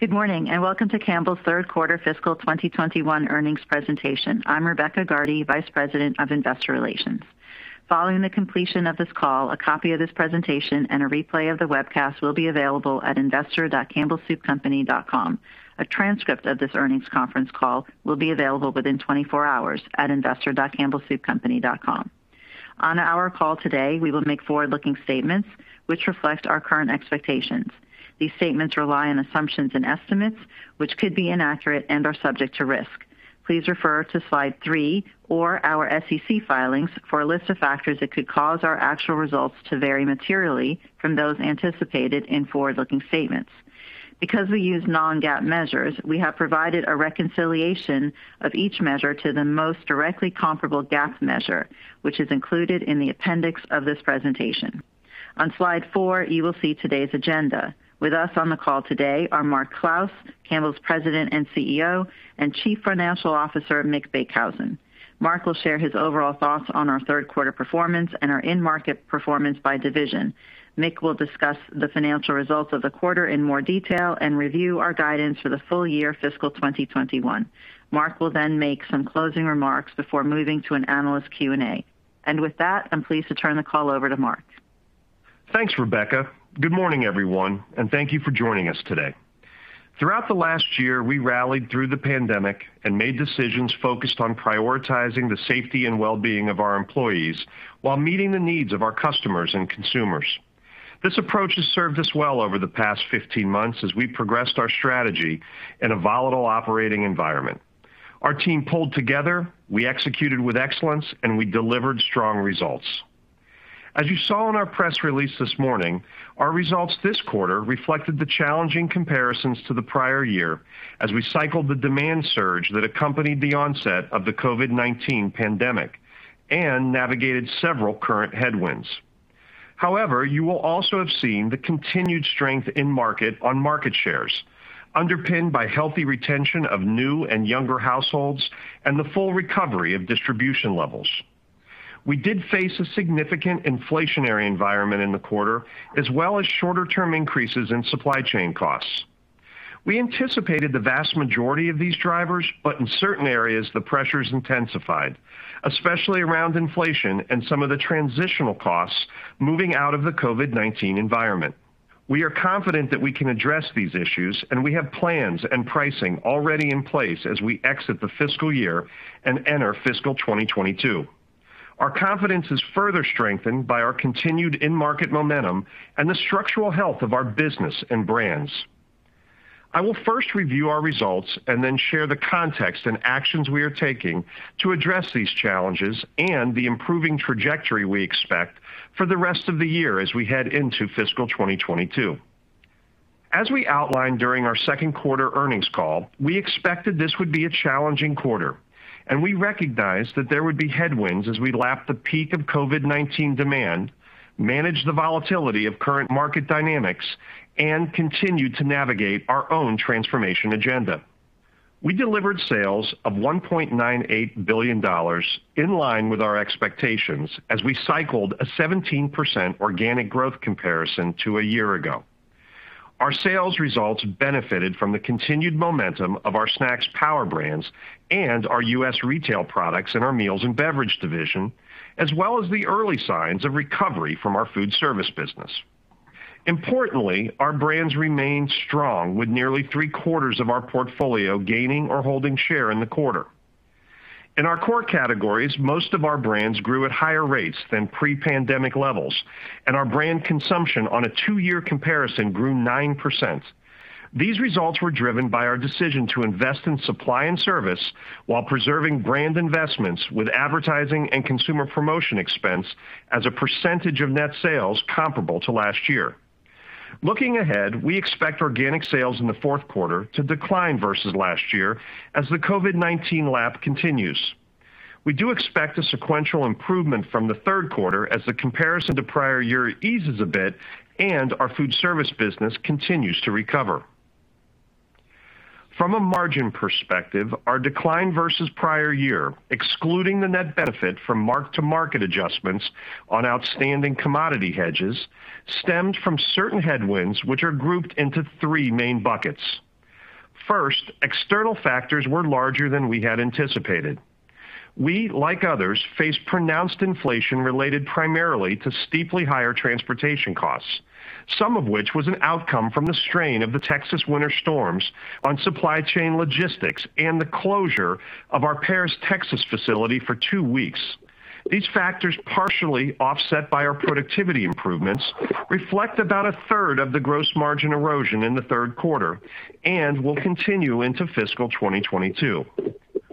Good morning, welcome to Campbell's third quarter fiscal 2021 earnings presentation. I'm Rebecca Gardy, Vice President of Investor Relations. Following the completion of this call, a copy of this presentation and a replay of the webcast will be available at investor.campbellsoupcompany.com. A transcript of this earnings conference call will be available within 24 hours at investor.campbellsoupcompany.com. On our call today, we will make forward-looking statements which reflect our current expectations. These statements rely on assumptions and estimates which could be inaccurate and are subject to risk. Please refer to Slide three or our SEC filings for a list of factors that could cause our actual results to vary materially from those anticipated in forward-looking statements. Because we use non-GAAP measures, we have provided a reconciliation of each measure to the most directly comparable GAAP measure, which is included in the appendix of this presentation. On Slide four, you will see today's agenda. With us on the call today are Mark Clouse, Campbell's President and CEO, and Chief Financial Officer, Mick Beekhuizen. Mark will share his overall thoughts on our third quarter performance and our in-market performance by division. Mick will discuss the financial results of the quarter in more detail and review our guidance for the full year fiscal 2021. Mark will then make some closing remarks before moving to an analyst Q&A. With that, I'm pleased to turn the call over to Mark. Thanks, Rebecca. Good morning, everyone, and thank you for joining us today. Throughout the last year, we rallied through the pandemic and made decisions focused on prioritizing the safety and well-being of our employees while meeting the needs of our customers and consumers. This approach has served us well over the past 15 months as we progressed our strategy in a volatile operating environment. Our team pulled together, we executed with excellence, and we delivered strong results. As you saw in our press release this morning, our results this quarter reflected the challenging comparisons to the prior year as we cycled the demand surge that accompanied the onset of the COVID-19 pandemic and navigated several current headwinds. However, you will also have seen the continued strength in market on market shares, underpinned by healthy retention of new and younger households and the full recovery of distribution levels. We did face a significant inflationary environment in the quarter, as well as shorter-term increases in supply chain costs. We anticipated the vast majority of these drivers, but in certain areas, the pressures intensified, especially around inflation and some of the transitional costs moving out of the COVID-19 environment. We are confident that we can address these issues, and we have plans and pricing already in place as we exit the fiscal year and enter fiscal 2022. Our confidence is further strengthened by our continued in-market momentum and the structural health of our business and brands. I will first review our results and then share the context and actions we are taking to address these challenges and the improving trajectory we expect for the rest of the year as we head into fiscal 2022. As we outlined during our second quarter earnings call, we expected this would be a challenging quarter, and we recognized that there would be headwinds as we lap the peak of COVID-19 demand, manage the volatility of current market dynamics, and continue to navigate our own transformation agenda. We delivered sales of $1.98 billion, in line with our expectations as we cycled a 17% organic growth comparison to a year ago. Our sales results benefited from the continued momentum of our Snacks power brands and our U.S. retail products in our Meals & Beverages division, as well as the early signs of recovery from our food service business. Importantly, our brands remained strong with nearly three-quarters of our portfolio gaining or holding share in the quarter. In our core categories, most of our brands grew at higher rates than pre-pandemic levels, and our brand consumption on a two-year comparison grew 9%. These results were driven by our decision to invest in supply and service while preserving brand investments with advertising and consumer promotion expense as a percentage of net sales comparable to last year. Looking ahead, we expect organic sales in the fourth quarter to decline versus last year as the COVID-19 lap continues. We do expect a sequential improvement from the third quarter as the comparison to prior year eases a bit and our food service business continues to recover. From a margin perspective, our decline versus prior year, excluding the net benefit from mark-to-market adjustments on outstanding commodity hedges, stemmed from certain headwinds which are grouped into three main buckets. First, external factors were larger than we had anticipated. We, like others, face pronounced inflation related primarily to steeply higher transportation costs, some of which was an outcome from the strain of the Texas winter storms on supply chain logistics and the closure of our Paris, Texas, facility for two weeks. These factors, partially offset by our productivity improvements, reflect about a third of the gross margin erosion in the third quarter and will continue into fiscal 2022.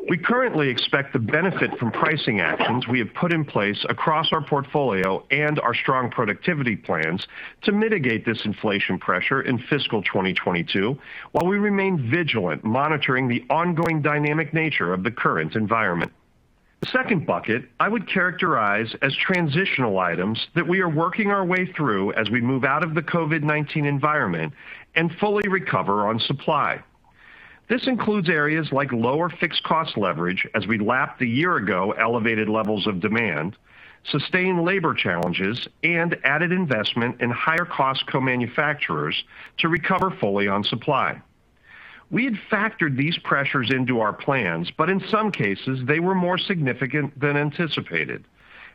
We currently expect the benefit from pricing actions we have put in place across our portfolio and our strong productivity plans to mitigate this inflation pressure in fiscal 2022, while we remain vigilant monitoring the ongoing dynamic nature of the current environment. The second bucket I would characterize as transitional items that we are working our way through as we move out of the COVID-19 environment and fully recover on supply. This includes areas like lower fixed cost leverage as we lap the year ago elevated levels of demand, sustained labor challenges, and added investment in higher cost co-manufacturers to recover fully on supply. In some cases, they were more significant than anticipated,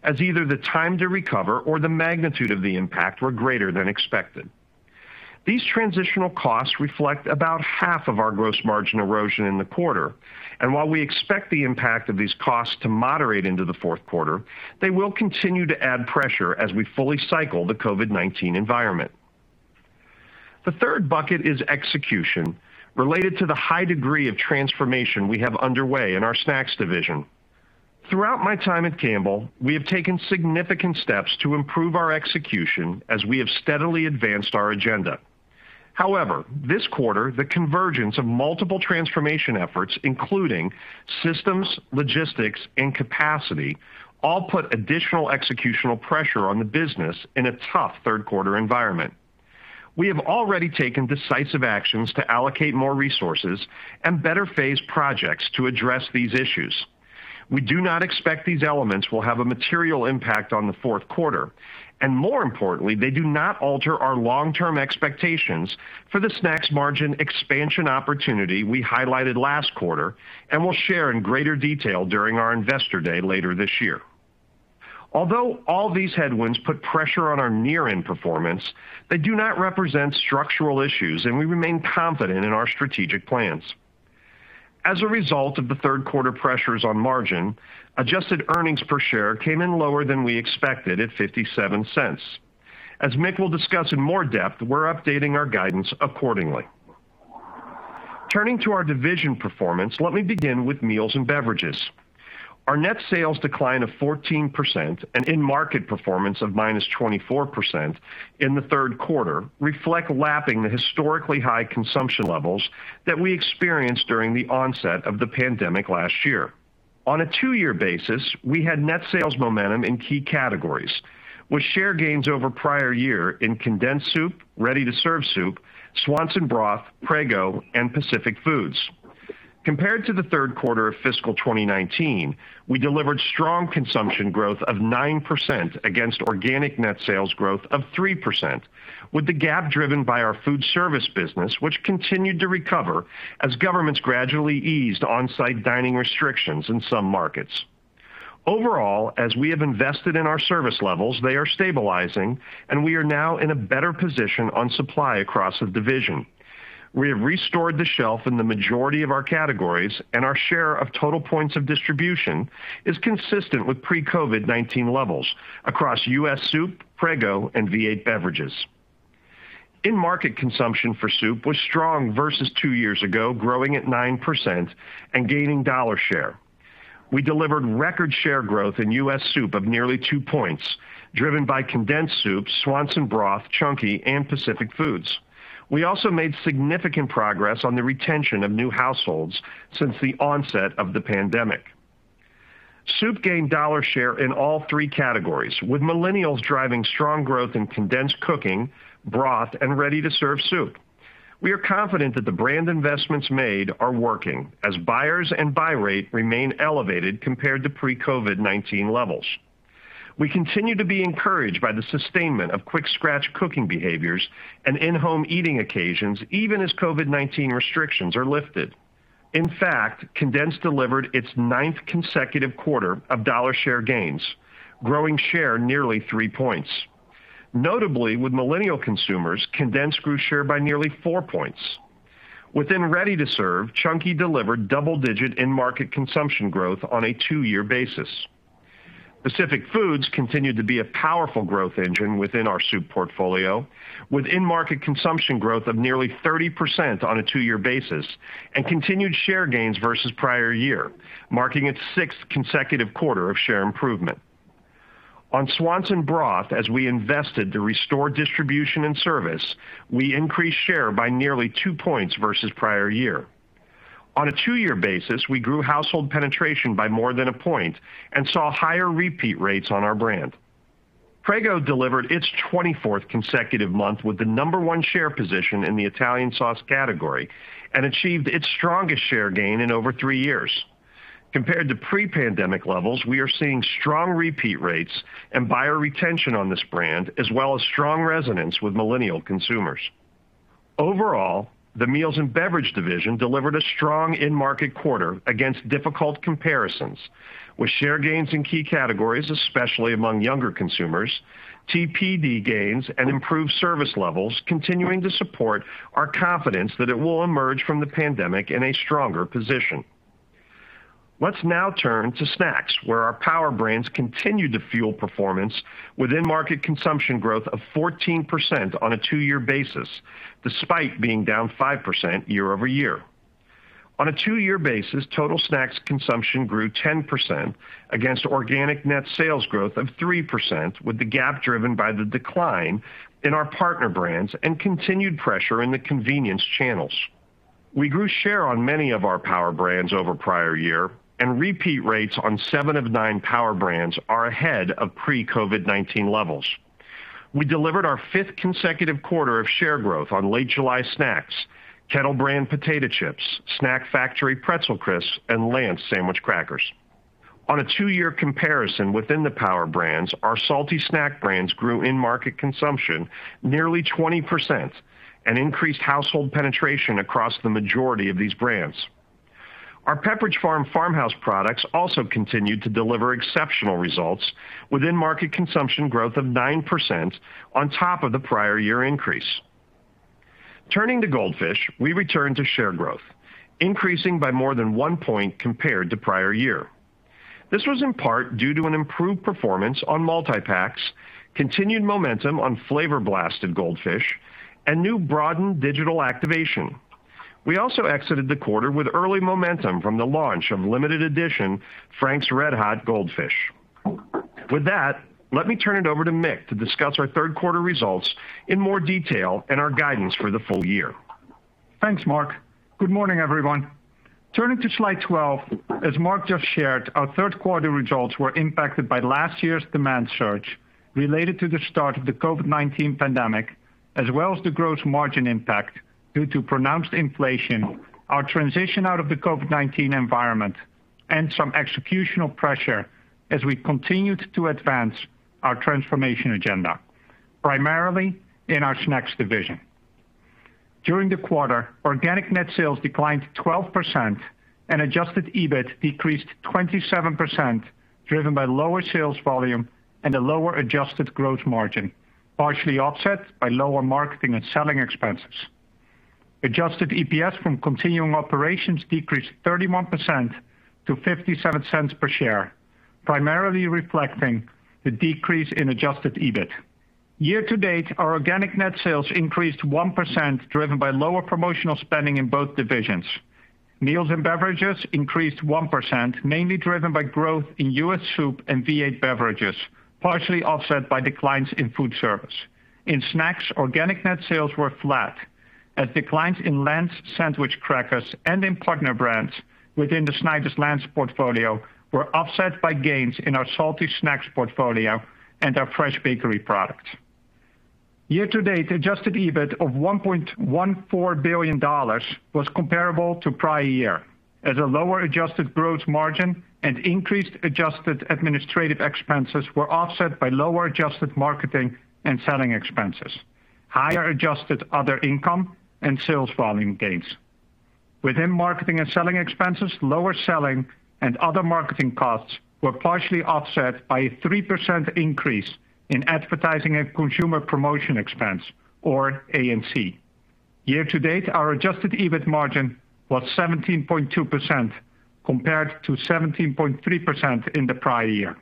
as either the time to recover or the magnitude of the impact were greater than expected. These transitional costs reflect about half of our gross margin erosion in the quarter, and while we expect the impact of these costs to moderate into the fourth quarter, they will continue to add pressure as we fully cycle the COVID-19 environment. The third bucket is execution, related to the high degree of transformation we have underway in our Snacks division. Throughout my time at Campbell, we have taken significant steps to improve our execution as we have steadily advanced our agenda. However, this quarter, the convergence of multiple transformation efforts, including systems, logistics, and capacity, all put additional executional pressure on the business in a tough third quarter environment. We have already taken decisive actions to allocate more resources and better phase projects to address these issues. We do not expect these elements will have a material impact on the fourth quarter, and more importantly, they do not alter our long-term expectations for the snacks margin expansion opportunity we highlighted last quarter and will share in greater detail during our Investor Day later this year. Although all these headwinds put pressure on our near-in performance, they do not represent structural issues, and we remain confident in our strategic plans. As a result of the third quarter pressures on margin, adjusted earnings per share came in lower than we expected at $0.57. As Mick will discuss in more depth, we're updating our guidance accordingly. Turning to our division performance, let me begin with Meals & Beverages. Our net sales decline of 14% and in-market performance of -24% in the third quarter reflect lapping the historically high consumption levels that we experienced during the onset of the pandemic last year. On a two-year basis, we had net sales momentum in key categories, with share gains over prior year in condensed soup, ready-to-serve soup, Swanson broth, Prego, and Pacific Foods. Compared to the third quarter of fiscal 2019, we delivered strong consumption growth of 9% against organic net sales growth of 3%, with the gap driven by our food service business, which continued to recover as governments gradually eased on-site dining restrictions in some markets. Overall, as we have invested in our service levels, they are stabilizing, and we are now in a better position on supply across the division. We have restored the shelf in the majority of our categories, and our share of total points of distribution is consistent with pre-COVID-19 levels across U.S. soup, Prego, and V8 beverages. In-market consumption for soup was strong versus two years ago, growing at 9% and gaining dollar share. We delivered record share growth in U.S. soup of nearly two points, driven by condensed soup, Swanson broth, Chunky, and Pacific Foods. We also made significant progress on the retention of new households since the onset of the pandemic. Soup gained dollar share in all three categories, with millennials driving strong growth in condensed cooking, broth, and ready-to-serve soup. We are confident that the brand investments made are working as buyers and buy rate remain elevated compared to pre-COVID-19 levels. We continue to be encouraged by the sustainment of quick scratch cooking behaviors and in-home eating occasions, even as COVID-19 restrictions are lifted. In fact, condensed delivered its ninth consecutive quarter of dollar share gains, growing share nearly three points. Notably with millennial consumers, condensed grew share by nearly four points. Within ready-to-serve, Chunky delivered double-digit in-market consumption growth on a two-year basis. Pacific Foods continued to be a powerful growth engine within our soup portfolio, with in-market consumption growth of nearly 30% on a two-year basis and continued share gains versus prior year, marking its sixth consecutive quarter of share improvement. On Swanson broth, as we invested to restore distribution and service, we increased share by nearly two points versus prior year. On a two-year basis, we grew household penetration by more than one point and saw higher repeat rates on our brand. Prego delivered its 24th consecutive month with the number one share position in the Italian sauce category and achieved its strongest share gain in over three years. Compared to pre-pandemic levels, we are seeing strong repeat rates and buyer retention on this brand, as well as strong resonance with millennial consumers. Overall, the Meals & Beverages division delivered a strong in-market quarter against difficult comparisons, with share gains in key categories, especially among younger consumers, TPD gains, and improved service levels continuing to support our confidence that it will emerge from the pandemic in a stronger position. Let's now turn to Snacks, where our power brands continue to fuel performance with in-market consumption growth of 14% on a two-year basis, despite being down 5% year-over-year. On a two-year basis, total Snacks consumption grew 10% against organic net sales growth of 3%, with the gap driven by the decline in our partner brands and continued pressure in the convenience channels. We grew share on many of our power brands over prior year, and repeat rates on seven of nine power brands are ahead of pre-COVID-19 levels. We delivered our fifth consecutive quarter of share growth on Late July snacks, Kettle Brand potato chips, Snack Factory Pretzel Crisps, and Lance sandwich crackers. On a two-year comparison within the power brands, our salty snack brands grew in-market consumption nearly 20% and increased household penetration across the majority of these brands. Our Pepperidge Farm Farmhouse products also continued to deliver exceptional results with in-market consumption growth of 9% on top of the prior year increase. Turning to Goldfish, we return to share growth, increasing by more than one point compared to prior year. This was in part due to an improved performance on multi-packs, continued momentum on Flavor Blasted Goldfish, and new broadened digital activation. We also exited the quarter with early momentum from the launch of limited edition Frank's RedHot Goldfish. With that, let me turn it over to Mick to discuss our third quarter results in more detail and our guidance for the full year. Thanks, Mark. Good morning, everyone. Turning to slide 12, as Mark just shared, our third quarter results were impacted by last year's demand surge related to the start of the COVID-19 pandemic, as well as the gross margin impact due to pronounced inflation, our transition out of the COVID-19 environment, and some executional pressure as we continued to advance our transformation agenda, primarily in our snacks division. During the quarter, organic net sales declined 12% and adjusted EBIT decreased 27%, driven by lower sales volume and a lower adjusted gross margin, partially offset by lower marketing and selling expenses. Adjusted EPS from continuing operations decreased 31% to $0.57 per share, primarily reflecting the decrease in adjusted EBIT. Year to date, our organic net sales increased 1%, driven by lower promotional spending in both divisions. Meals & Beverages increased 1%, mainly driven by growth in U.S. soup and V8 beverages, partially offset by declines in food service. In snacks, organic net sales were flat as declines in Lance sandwich crackers and in partner brands within the Snyder's-Lance portfolio were offset by gains in our salty snacks portfolio and our fresh bakery products. Year to date, adjusted EBIT of $1.14 billion was comparable to prior year as a lower adjusted gross margin and increased adjusted administrative expenses were offset by lower adjusted marketing and selling expenses, higher adjusted other income, and sales volume gains. Within marketing and selling expenses, lower selling and other marketing costs were partially offset by a 3% increase in advertising and consumer promotion expense or A&C. Year to date, our adjusted EBIT margin was 17.2% compared to 17.3% in the prior year.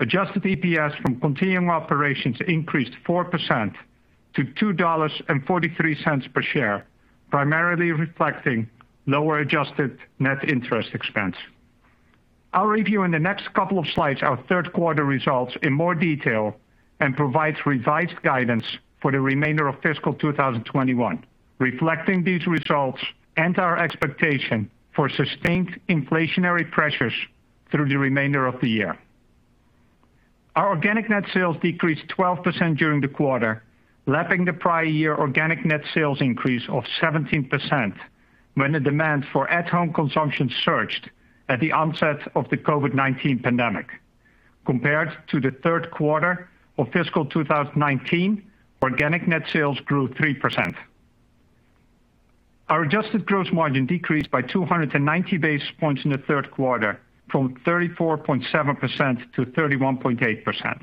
Adjusted EPS from continuing operations increased 4% to $2.43 per share, primarily reflecting lower adjusted net interest expense. I'll review in the next couple of slides our third quarter results in more detail and provide revised guidance for the remainder of fiscal 2021, reflecting these results and our expectation for sustained inflationary pressures through the remainder of the year. Our organic net sales decreased 12% during the quarter, lapping the prior year organic net sales increase of 17% when the demand for at-home consumption surged at the onset of the COVID-19 pandemic. Compared to the third quarter of fiscal 2019, organic net sales grew 3%. Our adjusted gross margin decreased by 290 basis points in the third quarter from 34.7%-31.8%.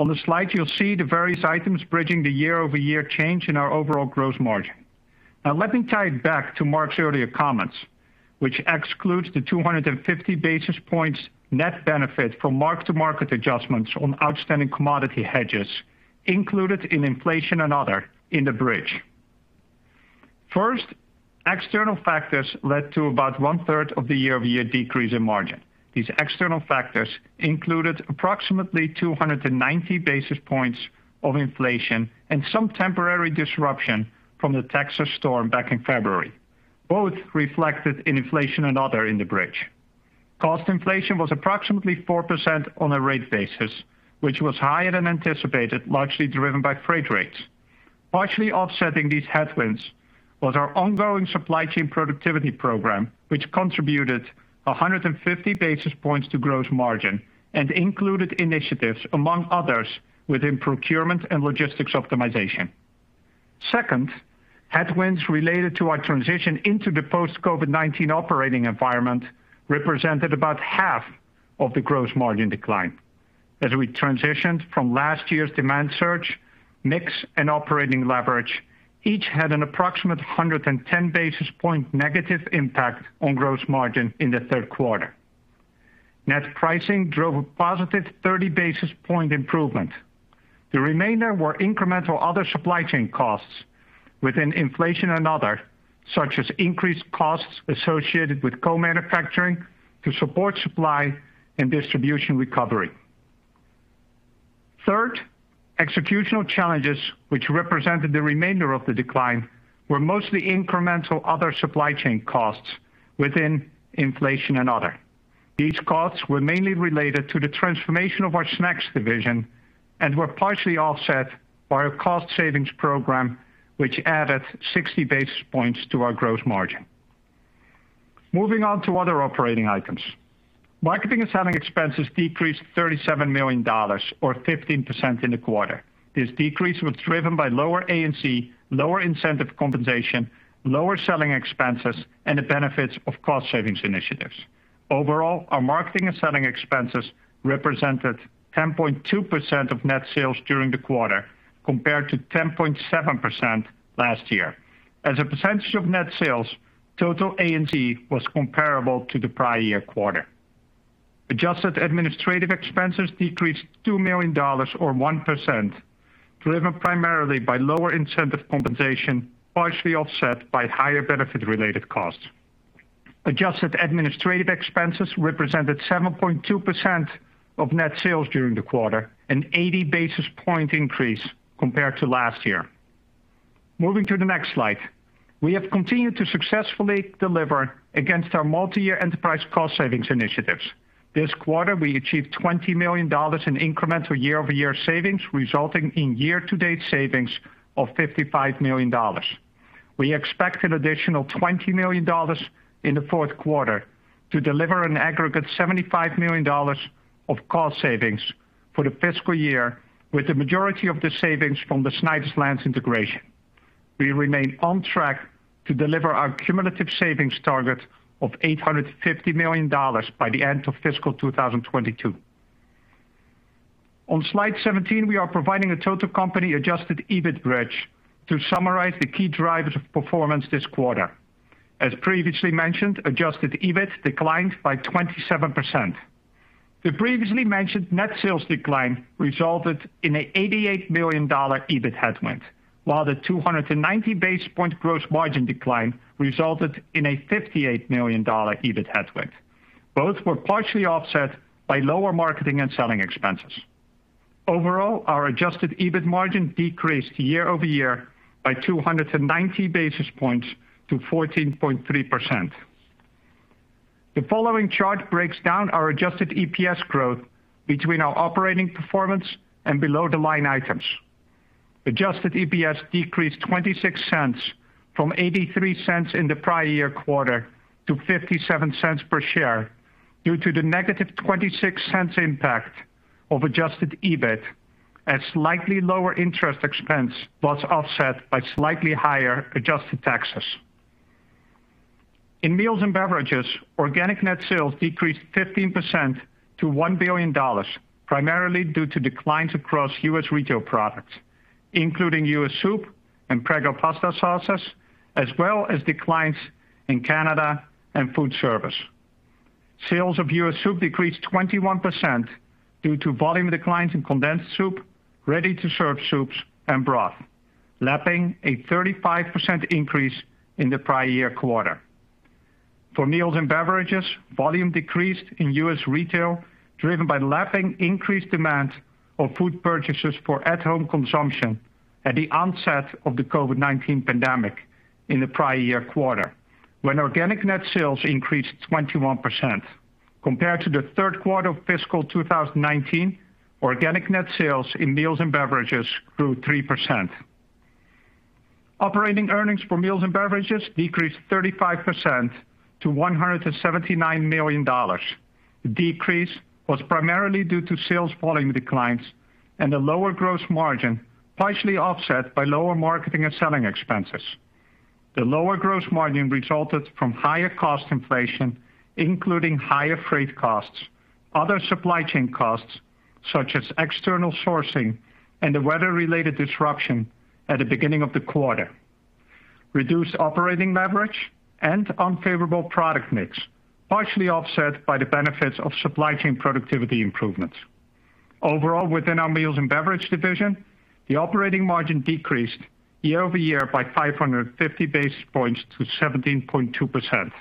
On the slide, you'll see the various items bridging the year-over-year change in our overall gross margin. Now let me tie it back to Mark's earlier comments, which excludes the 250 basis points net benefit from mark-to-market adjustments on outstanding commodity hedges included in inflation and other in the bridge. First, external factors led to about one-third of the year-over-year decrease in margin. These external factors included approximately 290 basis points of inflation and some temporary disruption from the Texas storm back in February, both reflected in inflation and other in the bridge. Cost inflation was approximately 4% on a rate basis, which was higher than anticipated, largely driven by freight rates. Partially offsetting these headwinds was our ongoing supply chain productivity program, which contributed 150 basis points to gross margin and included initiatives among others within procurement and logistics optimization. Second, headwinds related to our transition into the post-COVID-19 operating environment represented about half of the gross margin decline. As we transitioned from last year's demand surge, mix and operating leverage each had an approximate 110 basis points negative impact on gross margin in the third quarter. Net pricing drove a positive 30 basis points improvement. The remainder were incremental other supply chain costs within inflation and other, such as increased costs associated with co-manufacturing to support supply and distribution recovery. Third, executional challenges, which represented the remainder of the decline, were mostly incremental other supply chain costs within inflation and other. These costs were mainly related to the transformation of our snacks division and were partially offset by our cost savings program, which added 60 basis points to our gross margin. Moving on to other operating items. Marketing and selling expenses decreased $37 million, or 15% in the quarter. This decrease was driven by lower A&C, lower incentive compensation, lower selling expenses, and the benefits of cost savings initiatives. Overall, our marketing and selling expenses represented 10.2% of net sales during the quarter, compared to 10.7% last year. As a percentage of net sales, total A&C was comparable to the prior year quarter. Adjusted administrative expenses decreased $2 million, or 1%, driven primarily by lower incentive compensation, partially offset by higher benefit-related costs. Adjusted administrative expenses represented 7.2% of net sales during the quarter, an 80 basis point increase compared to last year. Moving to the next slide. We have continued to successfully deliver against our multi-year enterprise cost savings initiatives. This quarter, we achieved $20 million in incremental year-over-year savings, resulting in year-to-date savings of $55 million. We expect an additional $20 million in the fourth quarter to deliver an aggregate $75 million of cost savings for the fiscal year, with the majority of the savings from the Snyder's-Lance integration. We remain on track to deliver our cumulative savings target of $850 million by the end of fiscal 2022. On slide 17, we are providing a total company adjusted EBIT bridge to summarize the key drivers of performance this quarter. As previously mentioned, adjusted EBIT declined by 27%. The previously mentioned net sales decline resulted in an $88 million EBIT headwind, while the 290 basis point gross margin decline resulted in a $58 million EBIT headwind. Both were partially offset by lower marketing and selling expenses. Overall, our adjusted EBIT margin decreased year-over-year by 290 basis points to 14.3%. The following chart breaks down our adjusted EPS growth between our operating performance and below-the-line items. Adjusted EPS decreased $0.26 from $0.83 in the prior year quarter to $0.57 per share due to the negative $0.26 impact of adjusted EBIT and slightly lower interest expense, plus offset by slightly higher adjusted taxes. In meals and beverages, organic net sales decreased 15% to $1 billion, primarily due to declines across U.S. retail products, including U.S. soup and Prego pasta sauces, as well as declines in Canada and food service. Sales of U.S. soup decreased 21% due to volume declines in condensed soup, ready-to-serve soups, and broth, lapping a 35% increase in the prior year quarter. For meals and beverages, volume decreased in U.S. retail, driven by lapping increased demand of food purchases for at-home consumption at the onset of the COVID-19 pandemic in the prior year quarter, when organic net sales increased 21%. Compared to the third quarter of fiscal 2019, organic net sales in Meals & Beverages grew 3%. Operating earnings for Meals & Beverages decreased 35% to $179 million. The decrease was primarily due to sales volume declines and a lower gross margin, partially offset by lower marketing and selling expenses. The lower gross margin resulted from higher cost inflation, including higher freight costs, other supply chain costs such as external sourcing and the weather-related disruption at the beginning of the quarter, reduced operating leverage, and unfavorable product mix, partially offset by the benefits of supply chain productivity improvements. Overall, within our Meals & Beverages division, the operating margin decreased year over year by 550 basis points to 17.2%.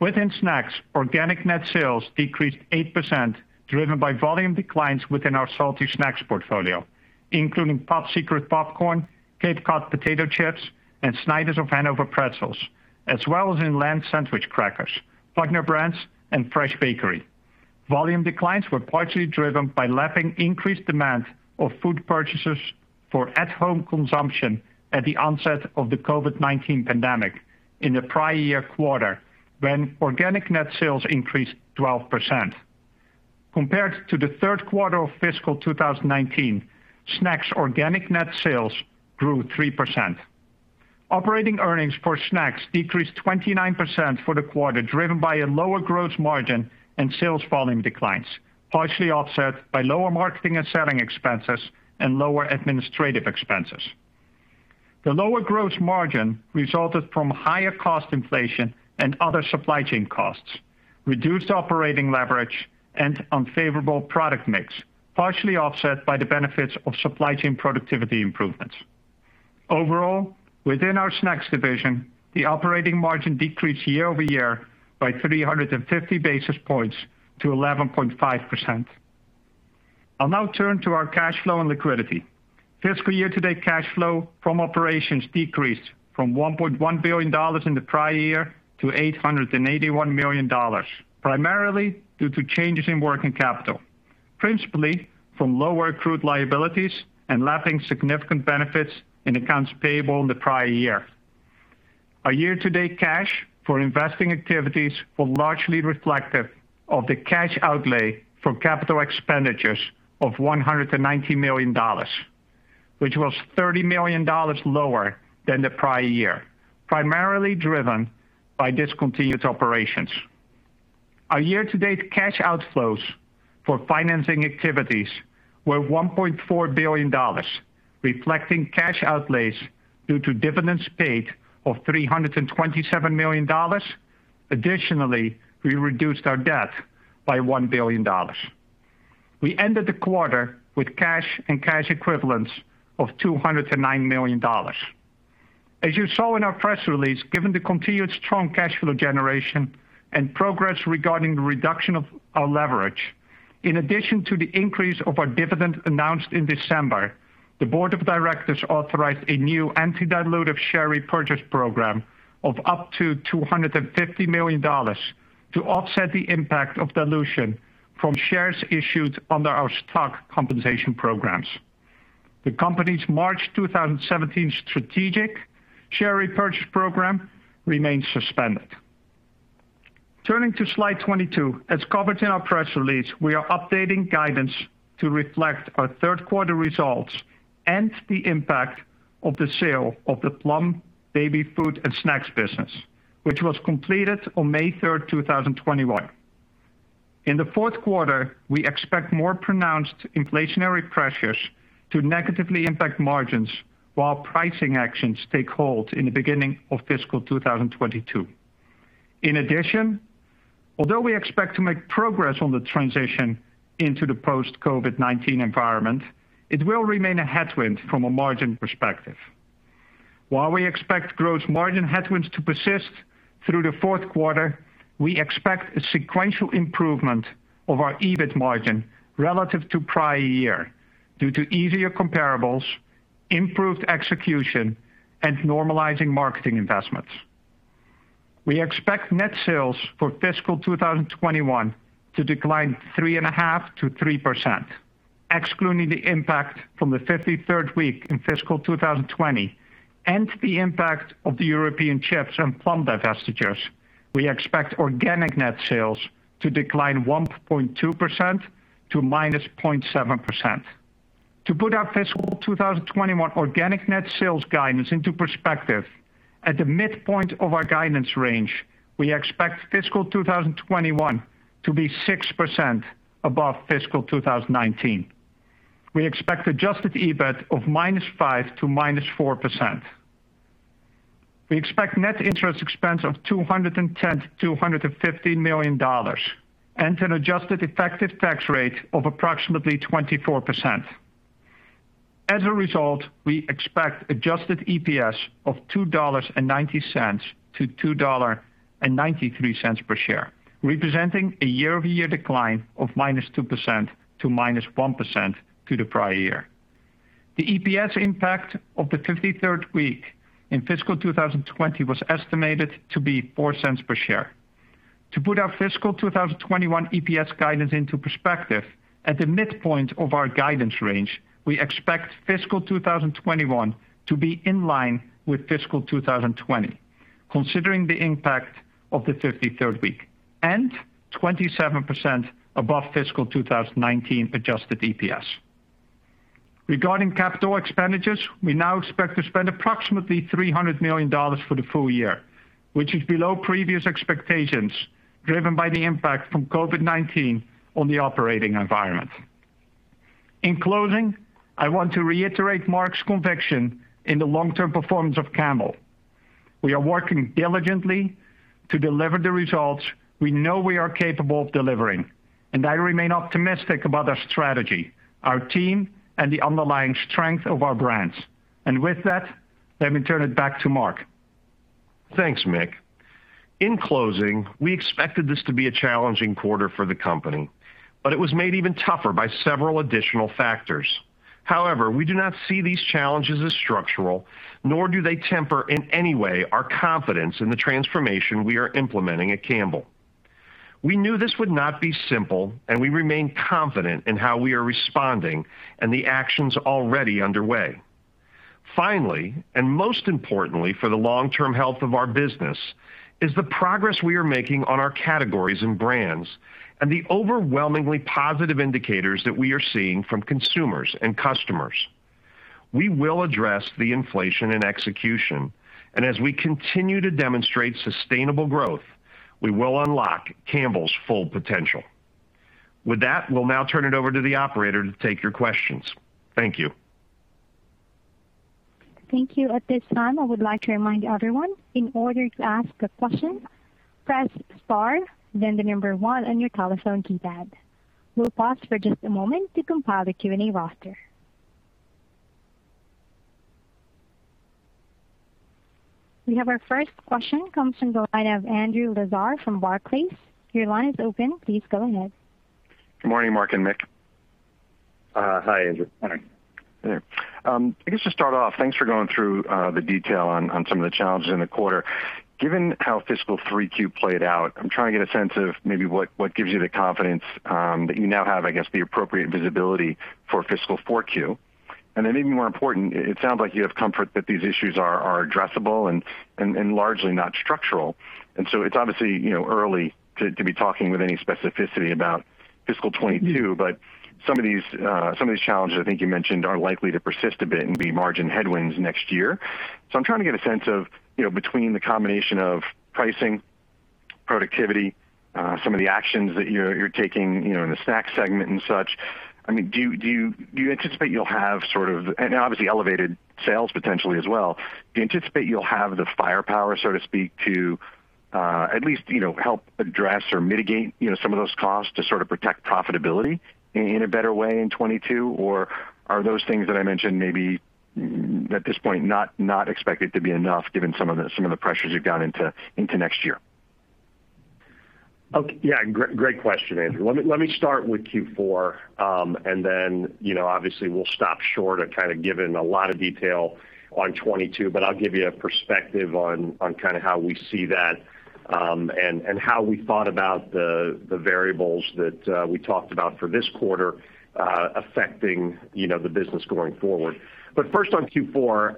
Within snacks, organic net sales decreased 8%, driven by volume declines within our salty snacks portfolio, including Pop Secret popcorn, Cape Cod potato chips, and Snyder's of Hanover pretzels, as well as in Lance sandwich crackers, Utz brands, and fresh bakery. Volume declines were partially driven by lapping increased demand of food purchases for at-home consumption at the onset of the COVID-19 pandemic in the prior year quarter, when organic net sales increased 12%. Compared to the third quarter of fiscal 2019, snacks organic net sales grew 3%. Operating earnings for snacks decreased 29% for the quarter, driven by a lower gross margin and sales volume declines, partially offset by lower marketing and selling expenses and lower administrative expenses. The lower gross margin resulted from higher cost inflation and other supply chain costs, reduced operating leverage, and unfavorable product mix, partially offset by the benefits of supply chain productivity improvements. Overall, within our snacks division, the operating margin decreased year-over-year by 350 basis points to 11.5%. I'll now turn to our cash flow and liquidity. Fiscal year-to-date cash flow from operations decreased from $1.1 billion in the prior year to $881 million, primarily due to changes in working capital, principally from lower accrued liabilities and lapping significant benefits in accounts payable in the prior year. Our year-to-date cash for investing activities were largely reflective of the cash outlay for capital expenditures of $190 million, which was $30 million lower than the prior year, primarily driven by discontinued operations. Our year-to-date cash outflows for financing activities were $1.4 billion, reflecting cash outlays due to dividends paid of $327 million. Additionally, we reduced our debt by $1 billion. We ended the quarter with cash and cash equivalents of $209 million. As you saw in our press release, given the continued strong cash flow generation and progress regarding the reduction of our leverage, in addition to the increase of our dividend announced in December, the board of directors authorized a new anti-dilutive share repurchase program of up to $250 million to offset the impact of dilution from shares issued under our stock compensation programs. The company's March 2017 strategic share repurchase program remains suspended. Turning to slide 22, as covered in our press release, we are updating guidance to reflect our third quarter results and the impact of the sale of the Plum baby food and snacks business, which was completed on May 3rd, 2021. In the fourth quarter, we expect more pronounced inflationary pressures to negatively impact margins while pricing actions take hold in the beginning of fiscal 2022. In addition, although we expect to make progress on the transition into the post COVID-19 environment, it will remain a headwind from a margin perspective. While we expect gross margin headwinds to persist through the fourth quarter, we expect a sequential improvement of our EBIT margin relative to prior year due to easier comparables, improved execution, and normalizing marketing investments. We expect net sales for fiscal 2021 to decline 3.5%-3%, excluding the impact from the 53rd week in fiscal 2020 and the impact of the European chips and Plum divestitures. We expect organic net sales to decline 1.2% to -0.7%. To put our fiscal 2021 organic net sales guidance into perspective, at the midpoint of our guidance range, we expect fiscal 2021 to be 6% above fiscal 2019. We expect adjusted EBIT of -5% to -4%. We expect net interest expense of $210 million-$250 million, and an adjusted effective tax rate of approximately 24%. As a result, we expect adjusted EPS of $2.90-$2.93 per share, representing a year-over-year decline of -2% to -1% to the prior year. The EPS impact of the 53rd week in fiscal 2020 was estimated to be $0.04 per share. To put our fiscal 2021 EPS guidance into perspective, at the midpoint of our guidance range, we expect fiscal 2021 to be in line with fiscal 2020, considering the impact of the 53rd week, and 27% above fiscal 2019 adjusted EPS. Regarding capital expenditures, we now expect to spend approximately $300 million for the full year, which is below previous expectations, driven by the impact from COVID-19 on the operating environment. In closing, I want to reiterate Mark's conviction in the long-term performance of Campbell. We are working diligently to deliver the results we know we are capable of delivering, and I remain optimistic about our strategy, our team, and the underlying strength of our brands. With that, let me turn it back to Mark. Thanks, Mick. In closing, we expected this to be a challenging quarter for the company, but it was made even tougher by several additional factors. However, we do not see these challenges as structural, nor do they temper in any way our confidence in the transformation we are implementing at Campbell. We knew this would not be simple, and we remain confident in how we are responding and the actions already underway. Finally, and most importantly for the long-term health of our business, is the progress we are making on our categories and brands and the overwhelmingly positive indicators that we are seeing from consumers and customers. We will address the inflation and execution, and as we continue to demonstrate sustainable growth, we will unlock Campbell's full potential. With that, we'll now turn it over to the operator to take your questions. Thank you. Thank you. At this time, I would like to remind everyone, in order to ask a question, press star, then the number one on your telephone keypad. We'll pause for just a moment to compile the Q&A roster. We have our first question, comes from the line of Andrew Lazar from Barclays. Your line is open. Please go ahead. Good morning, Mark and Mick. Hi, Andrew. Hi. I guess to start off, thanks for going through the detail on some of the challenges in the quarter. Given how fiscal 3Q played out, I'm trying to get a sense of maybe what gives you the confidence that you now have, I guess, the appropriate visibility for fiscal 4Q. Even more important, it sounds like you have comfort that these issues are addressable and largely not structural. It's obviously early to be talking with any specificity about fiscal 2022, but some of these challenges I think you mentioned are likely to persist a bit and be margin headwinds next year. I'm trying to get a sense of between the combination of pricing, productivity, some of the actions that you're taking in the snack segment and such, obviously elevated sales potentially as well. Do you anticipate you'll have the firepower, so to speak, to at least help address or mitigate some of those costs to sort of protect profitability in a better way in 2022? Are those things that I mentioned maybe at this point not expected to be enough given some of the pressures you've got into next year? Yeah. Great question, Andrew. Let me start with Q4, and then obviously we'll stop short of kind of giving a lot of detail on 2022, I'll give you a perspective on how we see that, and how we thought about the variables that we talked about for this quarter affecting the business going forward. First on Q4,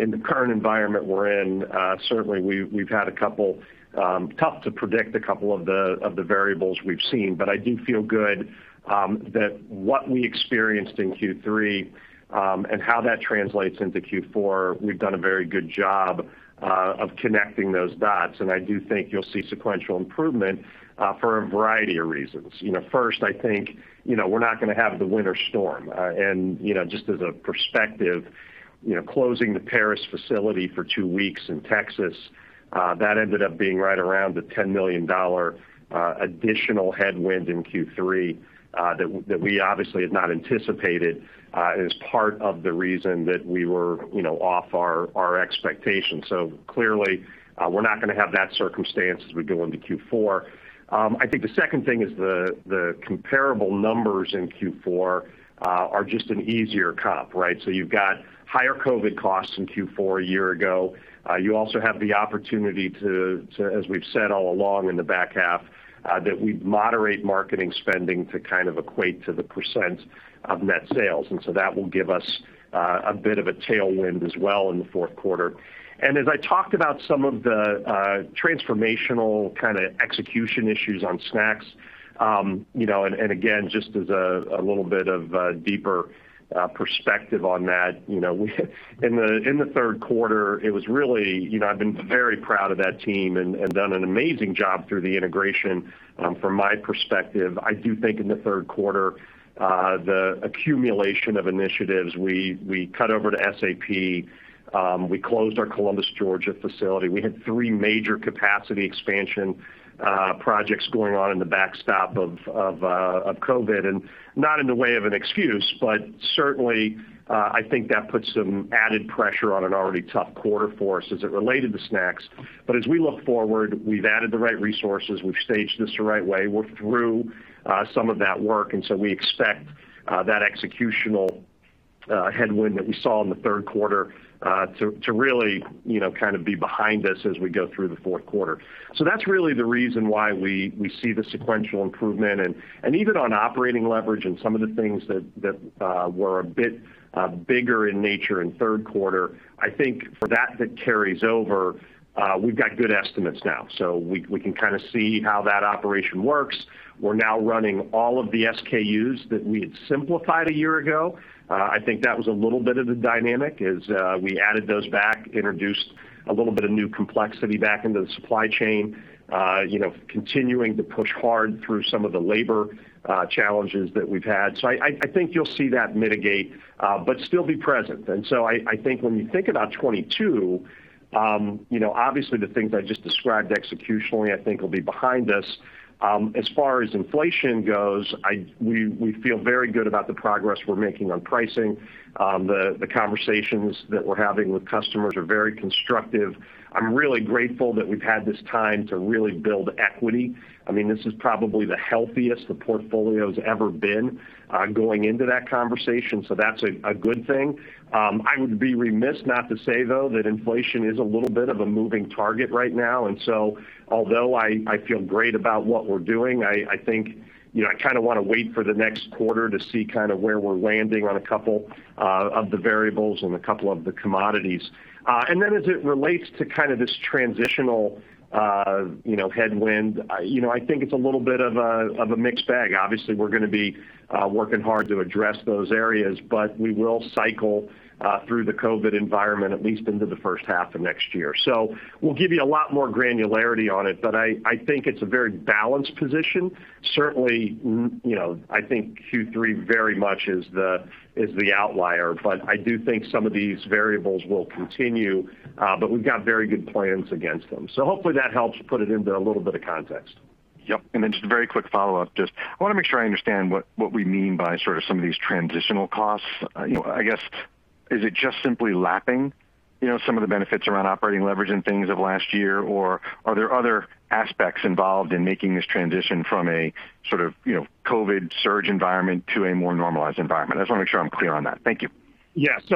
in the current environment we're in, certainly we've had tough to predict a couple of the variables we've seen. I do feel good that what we experienced in Q3, and how that translates into Q4, we've done a very good job of connecting those dots, and I do think you'll see sequential improvement for a variety of reasons. First, I think we're not going to have the winter storm. Just as a perspective, closing the Paris facility for two weeks in Texas, that ended up being right around a $10 million additional headwind in Q3, that we obviously had not anticipated, is part of the reason that we were off our expectations. Clearly, we're not going to have that circumstance as we go into Q4. I think the second thing is the comparable numbers in Q4 are just an easier comp, right? You've got higher COVID costs in Q4 a year ago. You also have the opportunity to, as we've said all along in the back half, that we moderate marketing spending to kind of equate to the percent of net sales, that will give us a bit of a tailwind as well in the fourth quarter. As I talked about some of the transformational kind of execution issues on snacks, again, just as a little bit of a deeper perspective on that, in the third quarter, I've been very proud of that team and done an amazing job through the integration. From my perspective, I do think in the third quarter, the accumulation of initiatives, we cut over to SAP. We closed our Columbus, Georgia facility. We had three major capacity expansion projects going on in the backstop of COVID, and not in the way of an excuse, but certainly, I think that put some added pressure on an already tough quarter for us as it related to snacks. As we look forward, we've added the right resources. We've staged this the right way. We're through some of that work, we expect that executional headwind that we saw in the third quarter to really kind of be behind us as we go through the fourth quarter. That's really the reason why we see the sequential improvement and even on operating leverage and some of the things that were a bit bigger in nature in third quarter, I think for that carries over. We've got good estimates now, so we can kind of see how that operation works. We're now running all of the SKUs that we had simplified a year ago. I think that was a little bit of the dynamic is we added those back, introduced a little bit of new complexity back into the supply chain, continuing to push hard through some of the labor challenges that we've had. I think you'll see that mitigate, but still be present. I think when you think about 2022, obviously the things I just described executionally, I think will be behind us. As far as inflation goes, we feel very good about the progress we're making on pricing. The conversations that we're having with customers are very constructive. I'm really grateful that we've had this time to really build equity. This is probably the healthiest the portfolio's ever been going into that conversation, so that's a good thing. I would be remiss not to say, though, that inflation is a little bit of a moving target right now, although I feel great about what we're doing, I kind of want to wait for the next quarter to see kind of where we're landing on a couple of the variables and a couple of the commodities. As it relates to kind of this transitional headwind, I think it's a little bit of a mixed bag. Obviously, we're going to be working hard to address those areas, but we will cycle through the COVID environment at least into the first half of next year. We'll give you a lot more granularity on it, but I think it's a very balanced position. Certainly, I think Q3 very much is the outlier, but I do think some of these variables will continue. We've got very good plans against them. Hopefully that helps put it into a little bit of context. Yep. Just a very quick follow-up. I want to make sure I understand what we mean by sort of some of these transitional costs. I guess, is it just simply lapping some of the benefits around operating leverage and things of last year, or are there other aspects involved in making this transition from a sort of COVID-19 surge environment to a more normalized environment? I just want to make sure I'm clear on that. Thank you. Let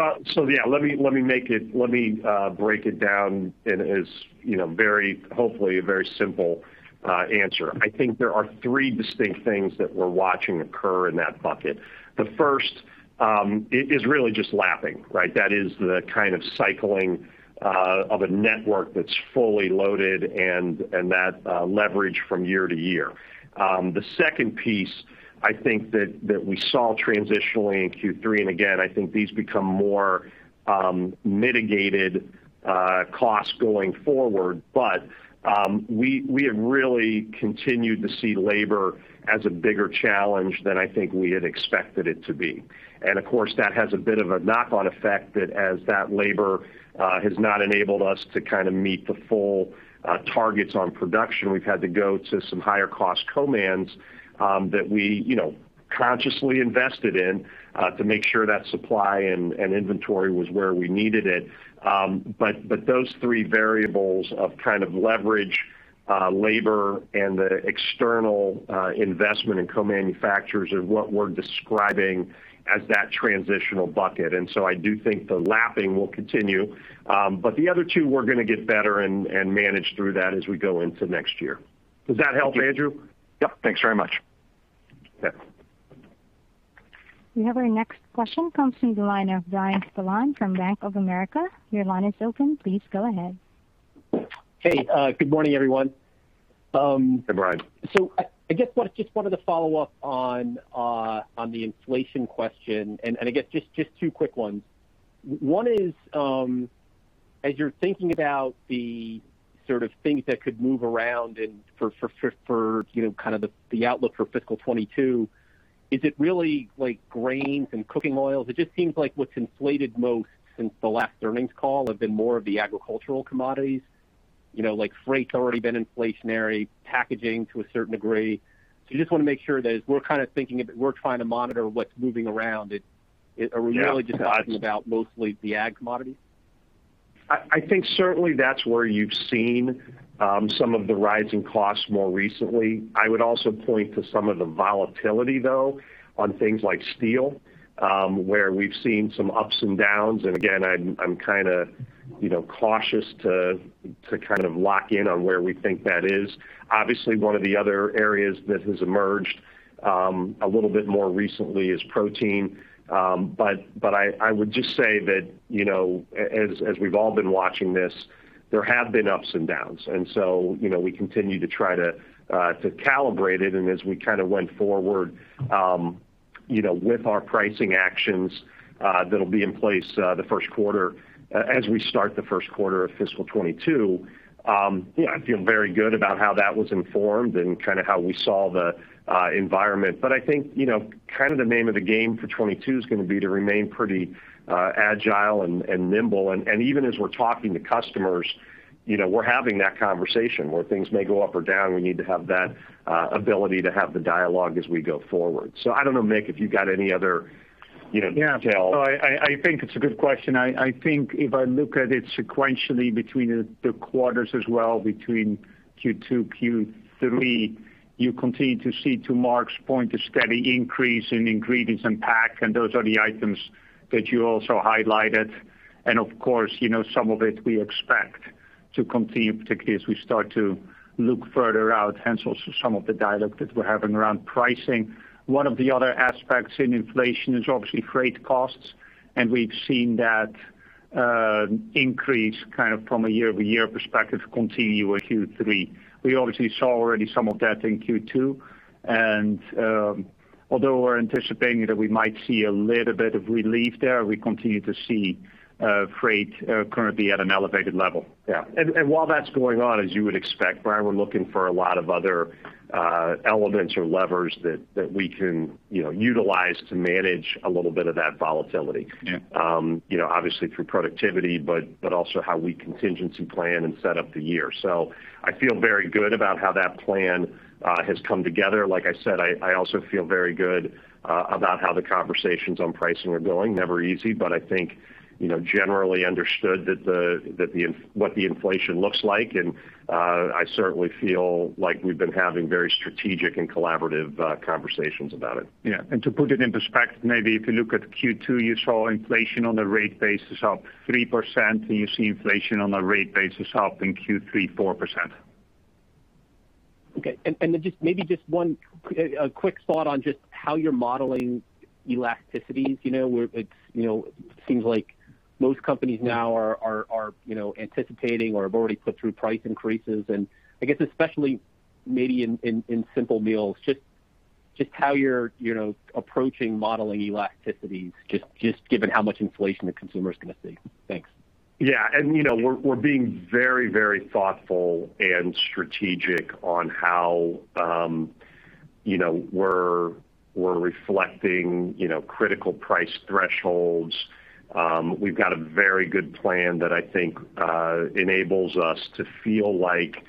me break it down in, hopefully, a very simple answer. I think there are three distinct things that we're watching occur in that bucket. The first is really just lapping. That is the kind of cycling of a network that's fully loaded and that leverage from year to year. The second piece, I think that we saw transitionally in Q3, and again, I think these become more mitigated costs going forward. We have really continued to see labor as a bigger challenge than I think we had expected it to be. Of course, that has a bit of a knock-on effect that as that labor has not enabled us to kind of meet the full targets on production, we've had to go to some higher cost co-mans that we consciously invested in to make sure that supply and inventory was where we needed it. Those three variables of kind of leverage, labor, and the external investment in co-manufacturers are what we're describing as that transitional bucket. I do think the lapping will continue. The other two, we're going to get better and manage through that as we go into next year. Does that help, Andrew? Yep. Thanks very much. Yeah. We have our next question comes from the line of Bryan Spillane from Bank of America. Your line is open. Please go ahead. Hey, good morning, everyone. Hey, Bryan. I guess just wanted to follow up on the inflation question, and I guess just two quick ones. One is, as you're thinking about the sort of things that could move around and for kind of the outlook for fiscal 2022, is it really like grains and cooking oils? It just seems like what's inflated most since the last earnings call have been more of the agricultural commodities. Like freight's already been inflationary, packaging to a certain degree. Just want to make sure that as we're kind of thinking, we're trying to monitor what's moving around it. Are we really just talking about mostly the ag commodities? I think certainly that's where you've seen some of the rising costs more recently. I would also point to some of the volatility, though, on things like steel, where we've seen some ups and downs, and again, I'm cautious to lock in on where we think that is. Obviously, one of the other areas that has emerged a little bit more recently is protein. I would just say that as we've all been watching this, there have been ups and downs. We continue to try to calibrate it and as we went forward with our pricing actions that'll be in place the first quarter as we start the first quarter of fiscal 2022. Yeah, I feel very good about how that was informed and how we saw the environment. I think kind of the name of the game for 2022 is going to be to remain pretty agile and nimble. Even as we're talking to customers, we're having that conversation where things may go up or down, we need to have that ability to have the dialogue as we go forward. I don't know, Mick, if you got any other detail. Yeah. No, I think it's a good question. I think if I look at it sequentially between the quarters as well, between Q2, Q3, you continue to see, to Mark's point, a steady increase in ingredients and pack, and those are the items that you also highlighted. Of course, some of it we expect to continue, particularly as we start to look further out, hence also some of the dialogue that we're having around pricing. One of the other aspects in inflation is obviously freight costs, and we've seen that increase kind of from a year-over-year perspective continue with Q3. We obviously saw already some of that in Q2. Although we're anticipating that we might see a little bit of relief there, we continue to see freight currently at an elevated level. Yeah. While that's going on, as you would expect, Bryan, we're looking for a lot of other elements or levers that we can utilize to manage a little bit of that volatility. Yeah. Obviously through productivity, but also how we contingency plan and set up the year. I feel very good about how that plan has come together. Like I said, I also feel very good about how the conversations on pricing are going. Never easy, but I think, generally understood what the inflation looks like, and I certainly feel like we've been having very strategic and collaborative conversations about it. Yeah. To put it in perspective, maybe if you look at Q2, you saw inflation on a rate basis up 3%, and you see inflation on a rate basis up in Q3 4%. Okay. Then maybe just one quick thought on just how you're modeling elasticities. It seems like most companies now are anticipating or have already put through price increases and I guess especially maybe in Simple Meals, just how you're approaching modeling elasticities, just given how much inflation the consumer's going to see. Thanks. Yeah. We're being very thoughtful and strategic on how we're reflecting critical price thresholds. We've got a very good plan that I think enables us to feel like,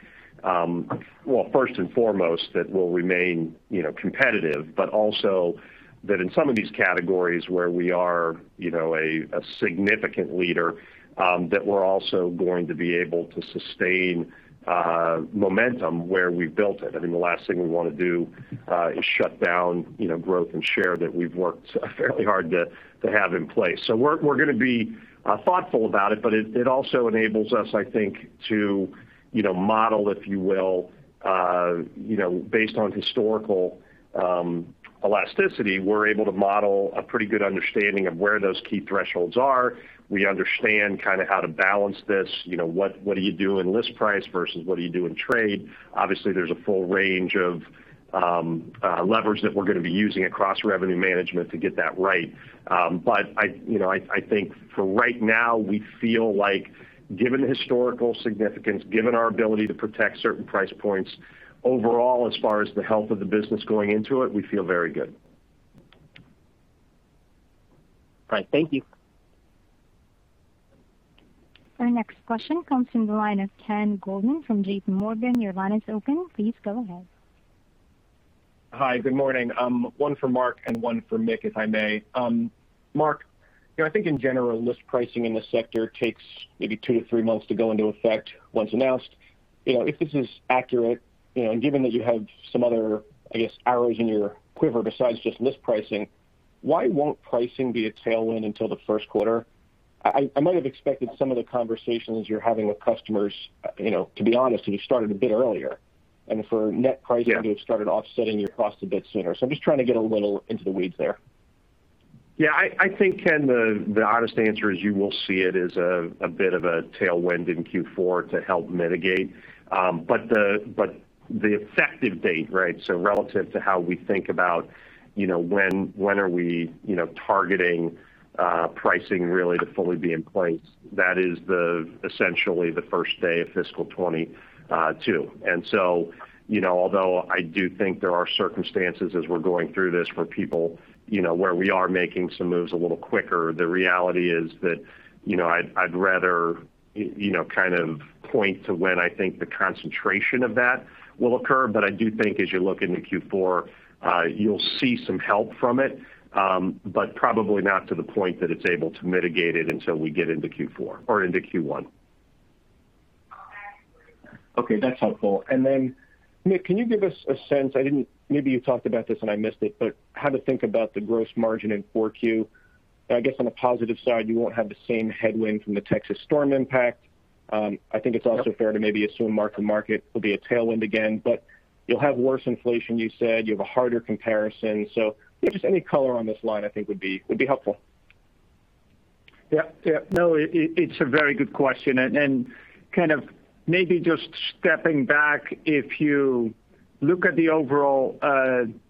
well, first and foremost, that we'll remain competitive, but also that in some of these categories where we are a significant leader, that we're also going to be able to sustain momentum where we've built it. I mean, the last thing we want to do is shut down growth and share that we've worked fairly hard to have in place. We're going to be thoughtful about it, but it also enables us, I think, to model, if you will, based on historical elasticity, we're able to model a pretty good understanding of where those key thresholds are. We understand kind of how to balance this, what do you do in list price versus what do you do in trade? Obviously, there's a full range of leverage that we're going to be using across revenue management to get that right. I think for right now, we feel like given historical significance, given our ability to protect certain price points, overall, as far as the health of the business going into it, we feel very good. All right. Thank you. Our next question comes from the line of Ken Goldman from JPMorgan. Your line is open. Please go ahead. Hi, good morning. One for Mark and one for Mick, if I may. Mark, I think in general, list pricing in this sector takes maybe two to three months to go into effect once announced. If this is accurate, and given that you have some other, I guess, arrows in your quiver besides just list pricing, why won't pricing be a tailwind until the first quarter? I might have expected some of the conversations you're having with customers, to be honest, to have started a bit earlier. For net pricing- Yeah to have started offsetting your costs a bit sooner. I'm just trying to get a little into the weeds there. I think, Ken, the honest answer is you will see it as a bit of a tailwind in Q4 to help mitigate. The effective date, right? Relative to how we think about when are we targeting pricing really to fully be in place, that is essentially the first day of fiscal 2022. Although I do think there are circumstances as we're going through this where people, where we are making some moves a little quicker, the reality is that I'd rather kind of point to when I think the concentration of that will occur. I do think as you look into Q4, you'll see some help from it, but probably not to the point that it's able to mitigate it until we get into Q4 or into Q1. Okay, that's helpful. Then Mick, can you give us a sense, I didn't, maybe you talked about this and I missed it, how to think about the gross margin in 4Q? I guess on the positive side, you won't have the same headwind from the Texas storm impact. I think it's also fair to maybe assume mark-to-market will be a tailwind again, you'll have worse inflation, you said. You have a harder comparison. Just any color on this line I think would be helpful. Yeah. No, it's a very good question, and kind of maybe just stepping back, if you look at the overall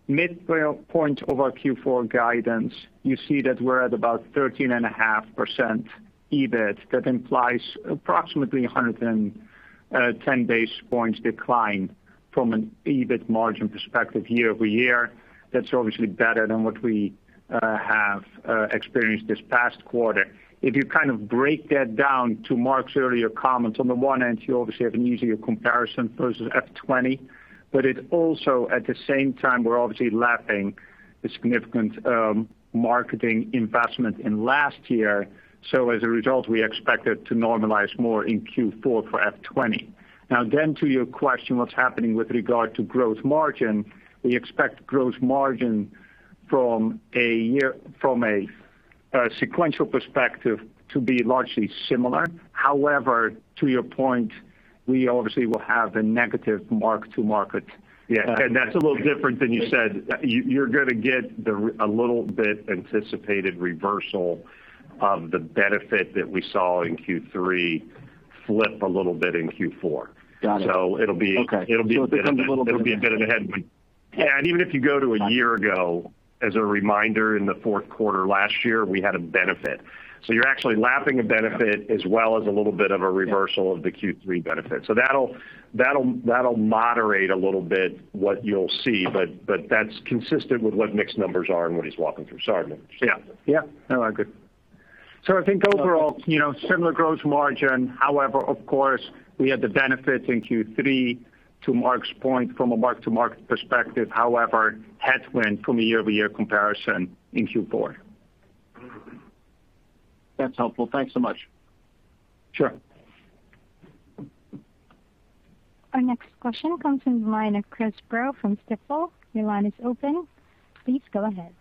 midpoint of our Q4 guidance, you see that we're at about 13.5% EBIT. That implies approximately 110 basis points decline from an EBIT margin perspective year-over-year. That's obviously better than what we have experienced this past quarter. If you kind of break that down to Mark's earlier comments, on the one hand, you obviously have an easier comparison versus F20, it also, at the same time, we're obviously lapping the significant marketing investment in last year. As a result, we expect it to normalize more in Q4 for F20. Now then to your question, what's happening with regard to gross margin, we expect gross margin from a sequential perspective to be largely similar. However, to your point, we obviously will have a negative mark-to-market. Yeah, that's a little different than you said. You're going to get a little bit anticipated reversal of the benefit that we saw in Q3 flip a little bit in Q4. Got it. Okay. It'll be a bit of a headwind. Even if you go to a year ago, as a reminder, in the fourth quarter last year, we had a benefit. You're actually lapping a benefit as well as a little bit of a reversal of the Q3 benefit. That'll moderate a little bit what you'll see, but that's consistent with what Mick's numbers are and what he's walking through. Yeah. No, good. I think overall, similar gross margin, however, of course, we had the benefit in Q3, to Mark's point, from a mark-to-market perspective, however, headwind from a year-over-year comparison in Q4. That's helpful. Thanks so much. Sure. Our next question comes from the line of Chris Growe from Stifel. Your line is open. Please go ahead.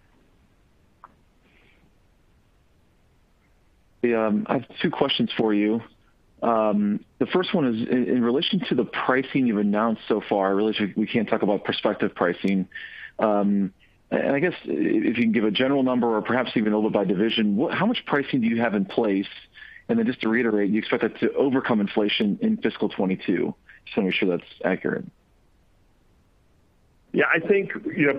Yeah. I have two questions for you. The first one is in relation to the pricing you've announced so far, really, we can't talk about prospective pricing. I guess if you can give a general number or perhaps even a little by division, how much pricing do you have in place? Just to reiterate, you expect that to overcome inflation in fiscal 2022? Just want to make sure that's accurate. I think,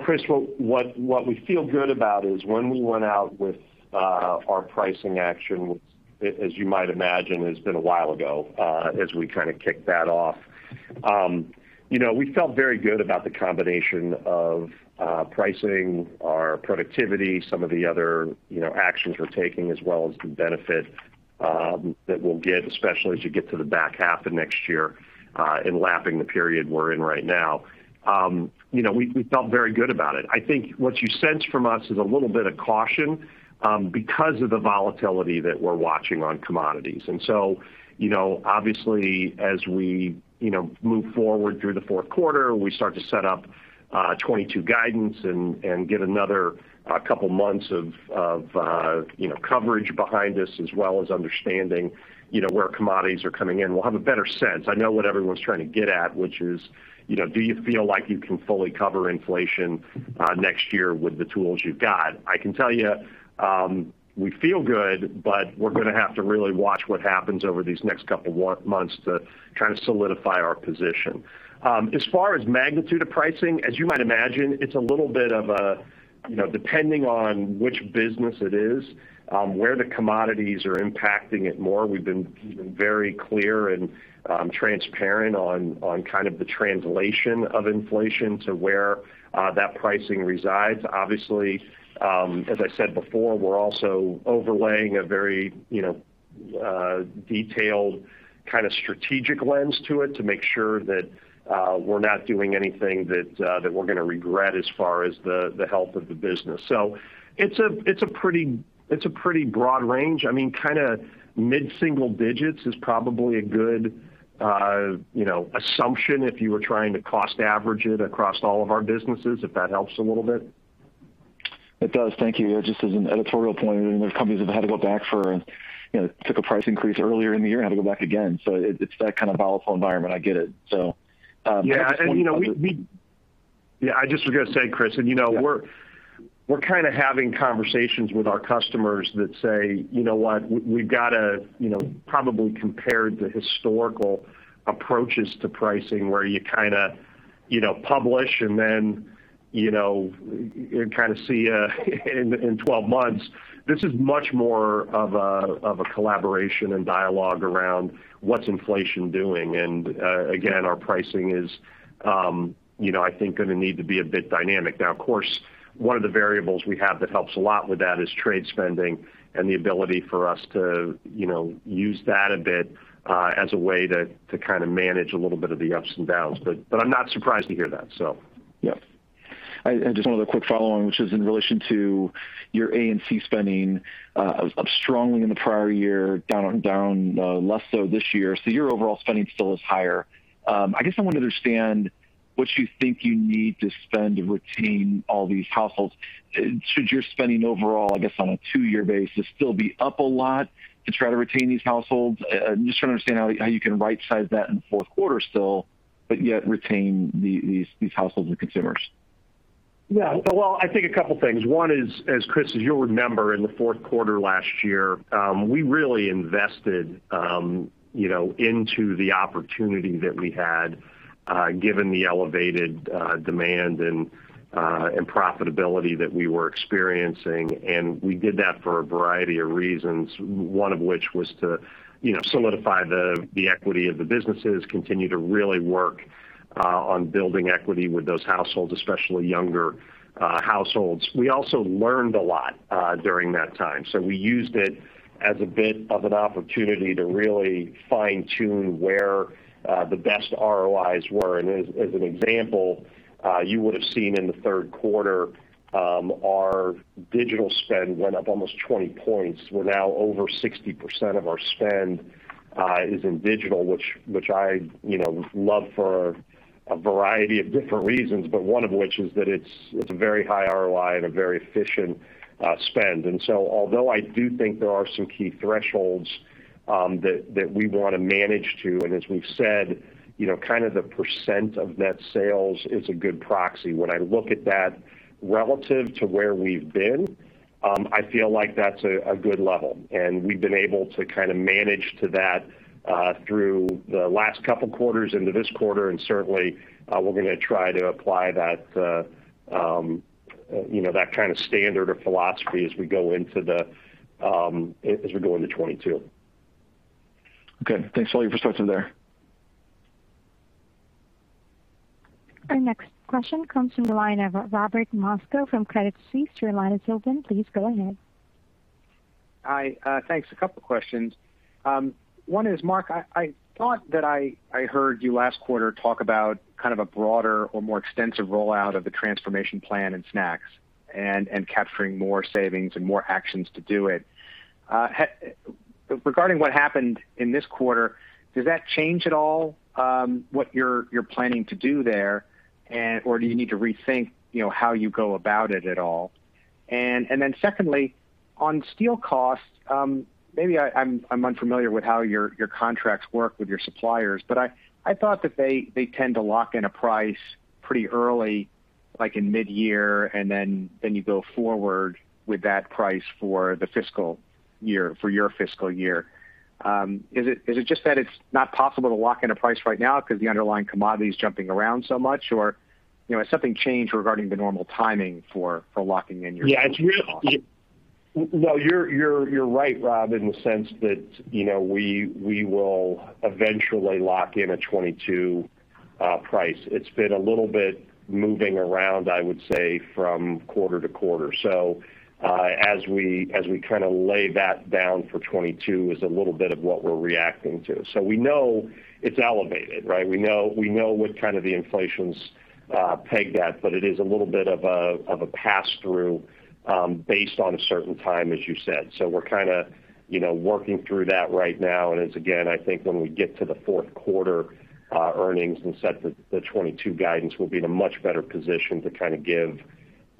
Chris, what we feel good about is when we went out with our pricing action, which as you might imagine, has been a while ago as we kind of kicked that off. We felt very good about the combination of pricing, our productivity, some of the other actions we're taking, as well as the benefit that we'll get, especially as you get to the back half of next year in lapping the period we're in right now. We felt very good about it. I think what you sense from us is a little bit of caution because of the volatility that we're watching on commodities. Obviously, as we move forward through the fourth quarter, we start to set up 2022 guidance and get another couple of months of coverage behind us, as well as understanding where commodities are coming in. We'll have a better sense. I know what everyone's trying to get at, which is, do you feel like you can fully cover inflation next year with the tools you've got? I can tell you, we feel good. We're going to have to really watch what happens over these next couple months to try to solidify our position. As far as magnitude of pricing, as you might imagine, it's a little bit of a, depending on which business it is, where the commodities are impacting it more. We've been very clear and transparent on the translation of inflation to where that pricing resides. Obviously, as I said before, we're also overlaying a very detailed kind of strategic lens to it to make sure that we're not doing anything that we're going to regret as far as the health of the business. It's a pretty broad range. Mid-single digits is probably a good assumption if you were trying to cost average it across all of our businesses, if that helps a little bit. It does. Thank you. Just as an editorial point, there's companies that took a price increase earlier in the year and had to go back again. It's that kind of volatile environment. I get it. Yeah. I just was going to say, Chris, we're kind of having conversations with our customers that say, "You know what? We've got to probably compare the historical approaches to pricing where you kind of publish and then you kind of see in 12 months." This is much more of a collaboration and dialogue around what's inflation doing. Again, our pricing is I think going to need to be a bit dynamic. Now, of course, one of the variables we have that helps a lot with that is trade spending and the ability for us to use that a bit as a way to kind of manage a little bit of the ups and downs. I'm not surprised to hear that. Yeah. Just one other quick follow-on, which is in relation to your A&C spending, up strongly in the prior year, down less so this year. Your overall spending still is higher. I guess I want to understand what you think you need to spend to retain all these households should your spending overall, I guess, on a two-year basis still be up a lot to try to retain these households. I'm just trying to understand how you can right-size that in the fourth quarter still, but yet retain these households and consumers. Well, I think a couple things. One is, Chris, as you'll remember, in the fourth quarter last year, we really invested into the opportunity that we had given the elevated demand and profitability that we were experiencing, and we did that for a variety of reasons, one of which was to solidify the equity of the businesses, continue to really work on building equity with those households, especially younger households. We also learned a lot during that time. We used it as a bit of an opportunity to really fine-tune where the best ROIs were. As an example, you would've seen in the third quarter our digital spend went up almost 20 points. We're now over 60% of our spend is in digital, which I love for a variety of different reasons, but one of which is that it's a very high ROI and a very efficient spend. Although I do think there are some key thresholds that we want to manage to, and as we've said, kind of the % of net sales is a good proxy. When I look at that relative to where we've been, I feel like that's a good level, and we've been able to kind of manage to that through the last couple of quarters into this quarter, and certainly we're going to try to apply that kind of standard or philosophy as we go into 2022. Okay. Thanks a lot for starting there. Our next question comes from the line of Robert Moskow from Credit Suisse. Your line is open. Please go ahead. Hi. Thanks. A couple questions. One is, Mark, I thought that I heard you last quarter talk about kind of a broader or more extensive rollout of the transformation plan in Snacks and capturing more savings and more actions to do it. Regarding what happened in this quarter, does that change at all what you're planning to do there? Or do you need to rethink how you go about it at all? Secondly, on steel costs, maybe I'm unfamiliar with how your contracts work with your suppliers, but I thought that they tend to lock in a price pretty early, like in mid-year, and then you go forward with that price for your fiscal year. Is it just that it's not possible to lock in a price right now because the underlying commodity is jumping around so much, or has something changed regarding the normal timing for locking in your steel costs? You're right, Rob, in the sense that we will eventually lock in a 2022 price. It's been a little bit moving around, I would say, from quarter to quarter. As we try to lay that down for 2022 is a little bit of what we're reacting to. We know it's elevated, right? We know what the inflation's pegged at, but it is a little bit of a pass-through based on a certain time, as you said. We're kind of working through that right now, and again, I think when we get to the fourth quarter earnings and set the 2022 guidance, we'll be in a much better position to give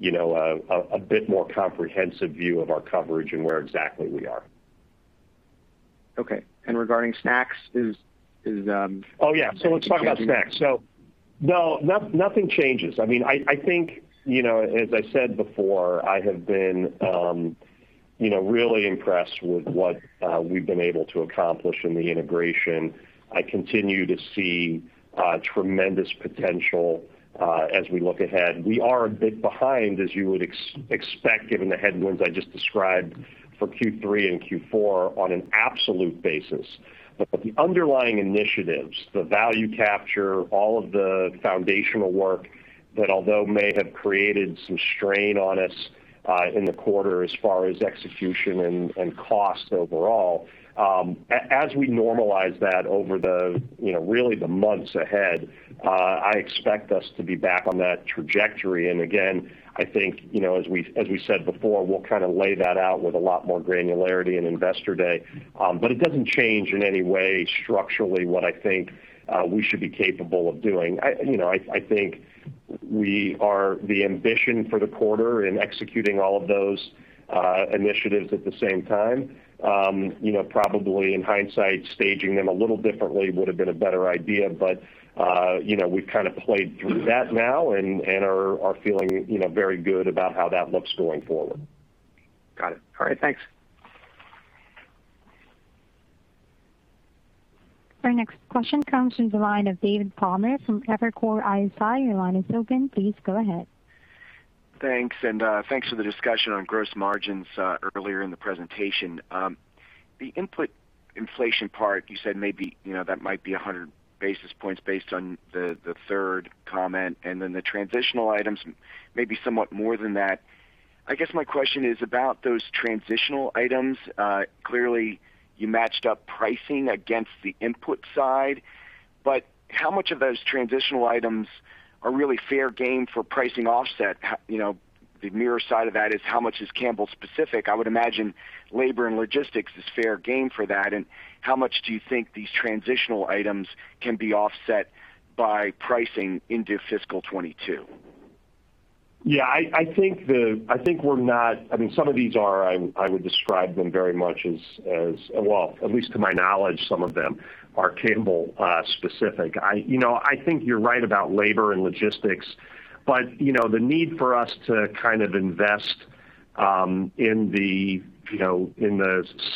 a bit more comprehensive view of our coverage and where exactly we are. Okay. regarding snacks Oh, yeah. Let's talk about snacks. Nothing changes. As I said before, I have been really impressed with what we've been able to accomplish in the integration. I continue to see tremendous potential as we look ahead. We are a bit behind, as you would expect, given the headwinds I just described for Q3 and Q4 on an absolute basis. The underlying initiatives, the value capture, all of the foundational work that although may have created some strain on us in the quarter as far as execution and cost overall, as we normalize that over the really the months ahead, I expect us to be back on that trajectory. Again, I think, as we said before, we'll lay that out with a lot more granularity in Investor Day. It doesn't change in any way structurally what I think we should be capable of doing. I think the ambition for the quarter in executing all of those initiatives at the same time probably in hindsight, staging them a little differently would've been a better idea, but we've kind of played through that now and are feeling very good about how that looks going forward. Got it. All right. Thanks. Our next question comes from the line of David Palmer from Evercore ISI. Your line is open. Please go ahead. Thanks, and thanks for the discussion on gross margins earlier in the presentation. The input inflation part you said maybe that might be 100 basis points based on the third comment, and then the transitional items may be somewhat more than that. I guess my question is about those transitional items. Clearly, you matched up pricing against the input side, but how much of those transitional items are really fair game for pricing offset? The mirror side of that is how much is Campbell's specific? I would imagine labor and logistics is fair game for that, and how much do you think these transitional items can be offset by pricing into fiscal 2022? Some of these are, I would describe them very much as, well, at least to my knowledge, some of them are Campbell specific. I think you're right about labor and logistics, but the need for us to invest in the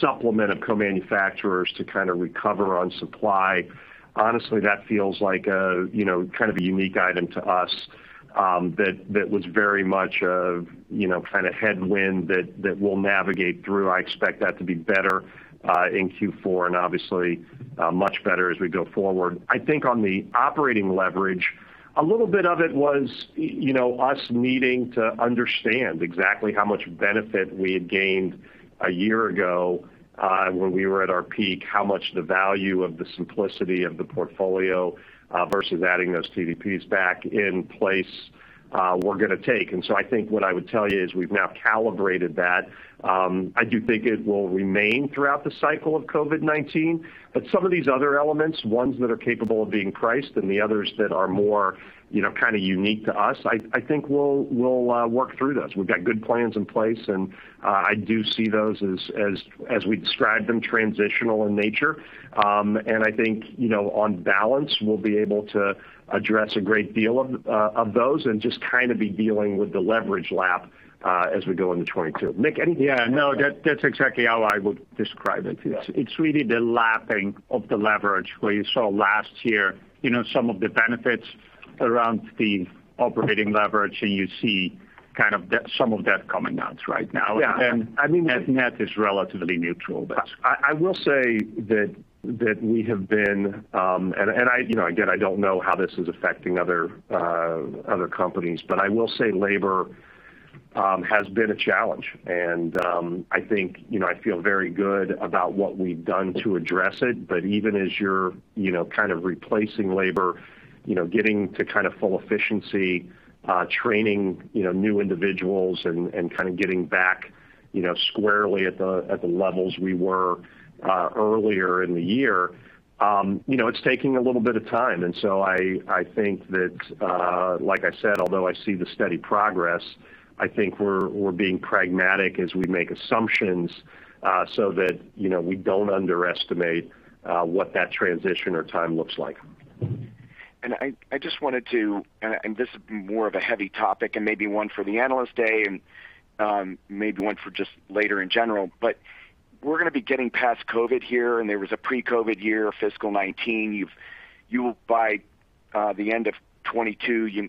supplement of co-manufacturers to recover on supply, honestly, that feels like a unique item to us that was very much a headwind that we'll navigate through. I expect that to be better in Q4 and obviously much better as we go forward. I think on the operating leverage, a little bit of it was us needing to understand exactly how much benefit we had gained a year ago when we were at our peak, how much the value of the simplicity of the portfolio versus adding those PDPs back in place were going to take. I think what I would tell you is we've now calibrated that. I do think it will remain throughout the cycle of COVID-19, but some of these other elements, ones that are capable of being priced and the others that are more kind of unique to us, I think we'll work through those. We've got good plans in place, and I do see those as we described them, transitional in nature. I think, on balance, we'll be able to address a great deal of those and just be dealing with the leverage lap as we go into 2022. Mick, anything. Yeah, no, that's exactly how I would describe it, too. It's really the lapping of the leverage where you saw last year some of the benefits around the operating leverage, and you see some of that coming out right now. Yeah. Net is relatively neutral. I will say that we have been, again, I don't know how this is affecting other companies, but I will say labor has been a challenge, and I feel very good about what we've done to address it. Even as you're replacing labor, getting to full efficiency, training new individuals, and getting back squarely at the levels we were earlier in the year, it's taking a little bit of time. I think that, like I said, although I see the steady progress, I think we're being pragmatic as we make assumptions so that we don't underestimate what that transition or time looks like. This will be more of a heavy topic and maybe one for the Analyst Day and maybe one for just later in general, but we're going to be getting past COVID here, and there was a pre-COVID year, fiscal 2019. You will by the end of 2022,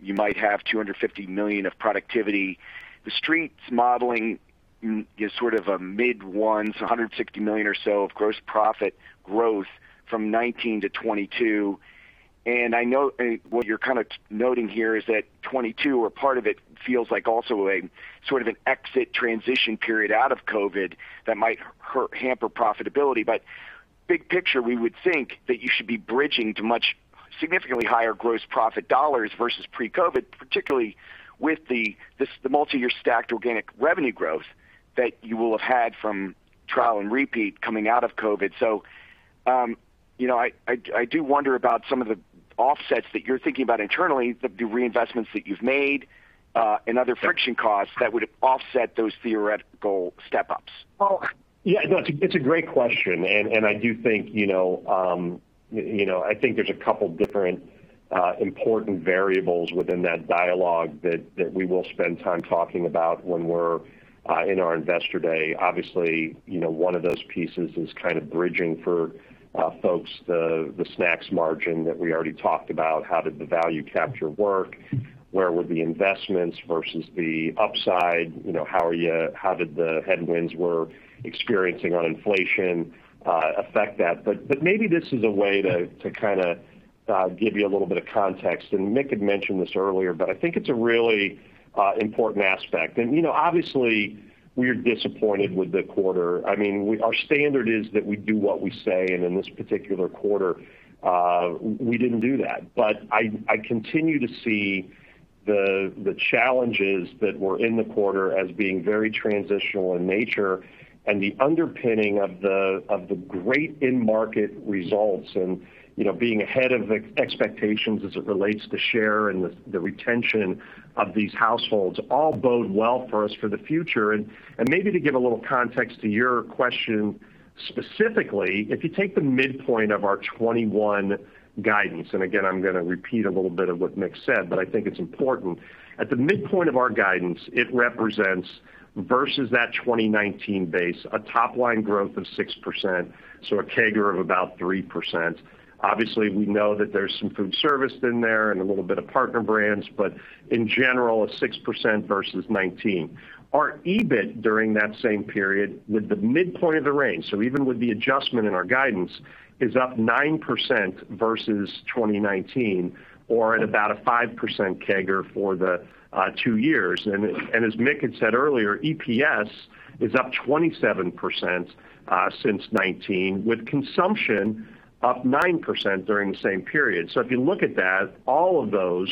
you might have $250 million of productivity. The Street's modeling is sort of a mid one, so $160 million or so of gross profit growth from 2019 to 2022. I know what you're kind of noting here is that 2022, or part of it, feels like also a sort of an exit transition period out of COVID that might hamper profitability. Big picture, we would think that you should be bridging to much significantly higher gross profit dollars versus pre-COVID, particularly with the multi-year stacked organic revenue growth that you will have had from trial and repeat coming out of COVID. I do wonder about some of the offsets that you're thinking about internally, the reinvestments that you've made, and other friction costs that would offset those theoretical step-ups. Well, yeah, no, it's a great question. I do think there's a couple different important variables within that dialogue that we will spend time talking about when we're in our investor day. Obviously, one of those pieces is kind of bridging for folks the snacks margin that we already talked about. How did the value capture work? Where were the investments versus the upside? How did the headwinds we're experiencing on inflation affect that? Maybe this is a way to kind of give you a little bit of context, and Mick had mentioned this earlier, but I think it's a really important aspect. Obviously, we're disappointed with the quarter. Our standard is that we do what we say, and in this particular quarter, we didn't do that. I continue to see the challenges that were in the quarter as being very transitional in nature and the underpinning of the great in-market results and being ahead of expectations as it relates to share and the retention of these households all bode well for us for the future. Maybe to give a little context to your question specifically, if you take the midpoint of our 2021 guidance, again, I'm going to repeat a little bit of what Mick said, but I think it's important. At the midpoint of our guidance, it represents versus that 2019 base, a top line growth of 6%, so a CAGR of about 3%. Obviously, we know that there's some food service in there and a little bit of partner brands, but in general, a 6% versus 2019. Our EBIT during that same period with the midpoint of the range, so even with the adjustment in our guidance, is up 9% versus 2019 or at about a 5% CAGR for the two years. As Mick had said earlier, EPS is up 27% since 2019 with consumption up 9% during the same period. If you look at that, all of those,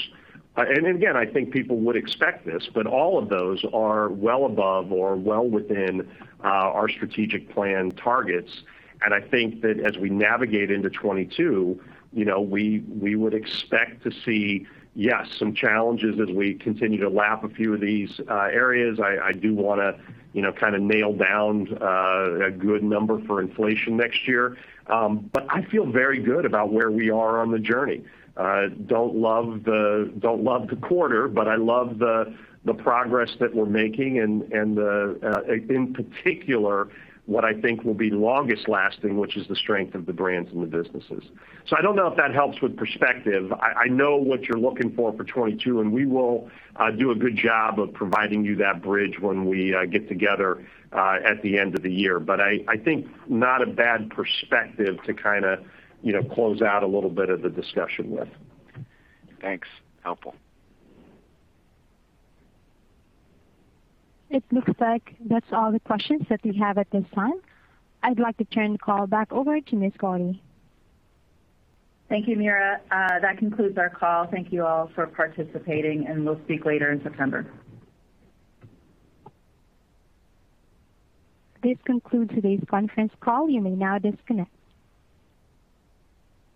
and again, I think people would expect this, but all of those are well above or well within our strategic plan targets. I think that as we navigate into 2022, we would expect to see, yes, some challenges as we continue to lap a few of these areas. I do want to kind of nail down a good number for inflation next year. I feel very good about where we are on the journey. Don't love the quarter. I love the progress that we're making and in particular, what I think will be longest lasting, which is the strength of the brands and the businesses. I don't know if that helps with perspective. I know what you're looking for for 2022. We will do a good job of providing you that bridge when we get together at the end of the year. I think not a bad perspective to kind of close out a little bit of the discussion with. Thanks. Helpful. It looks like that's all the questions that we have at this time. I'd like to turn the call back over to Miss Gardy. Thank you, Mira. That concludes our call. Thank you all for participating. We'll speak later in September. This concludes today's conference call. You may now disconnect.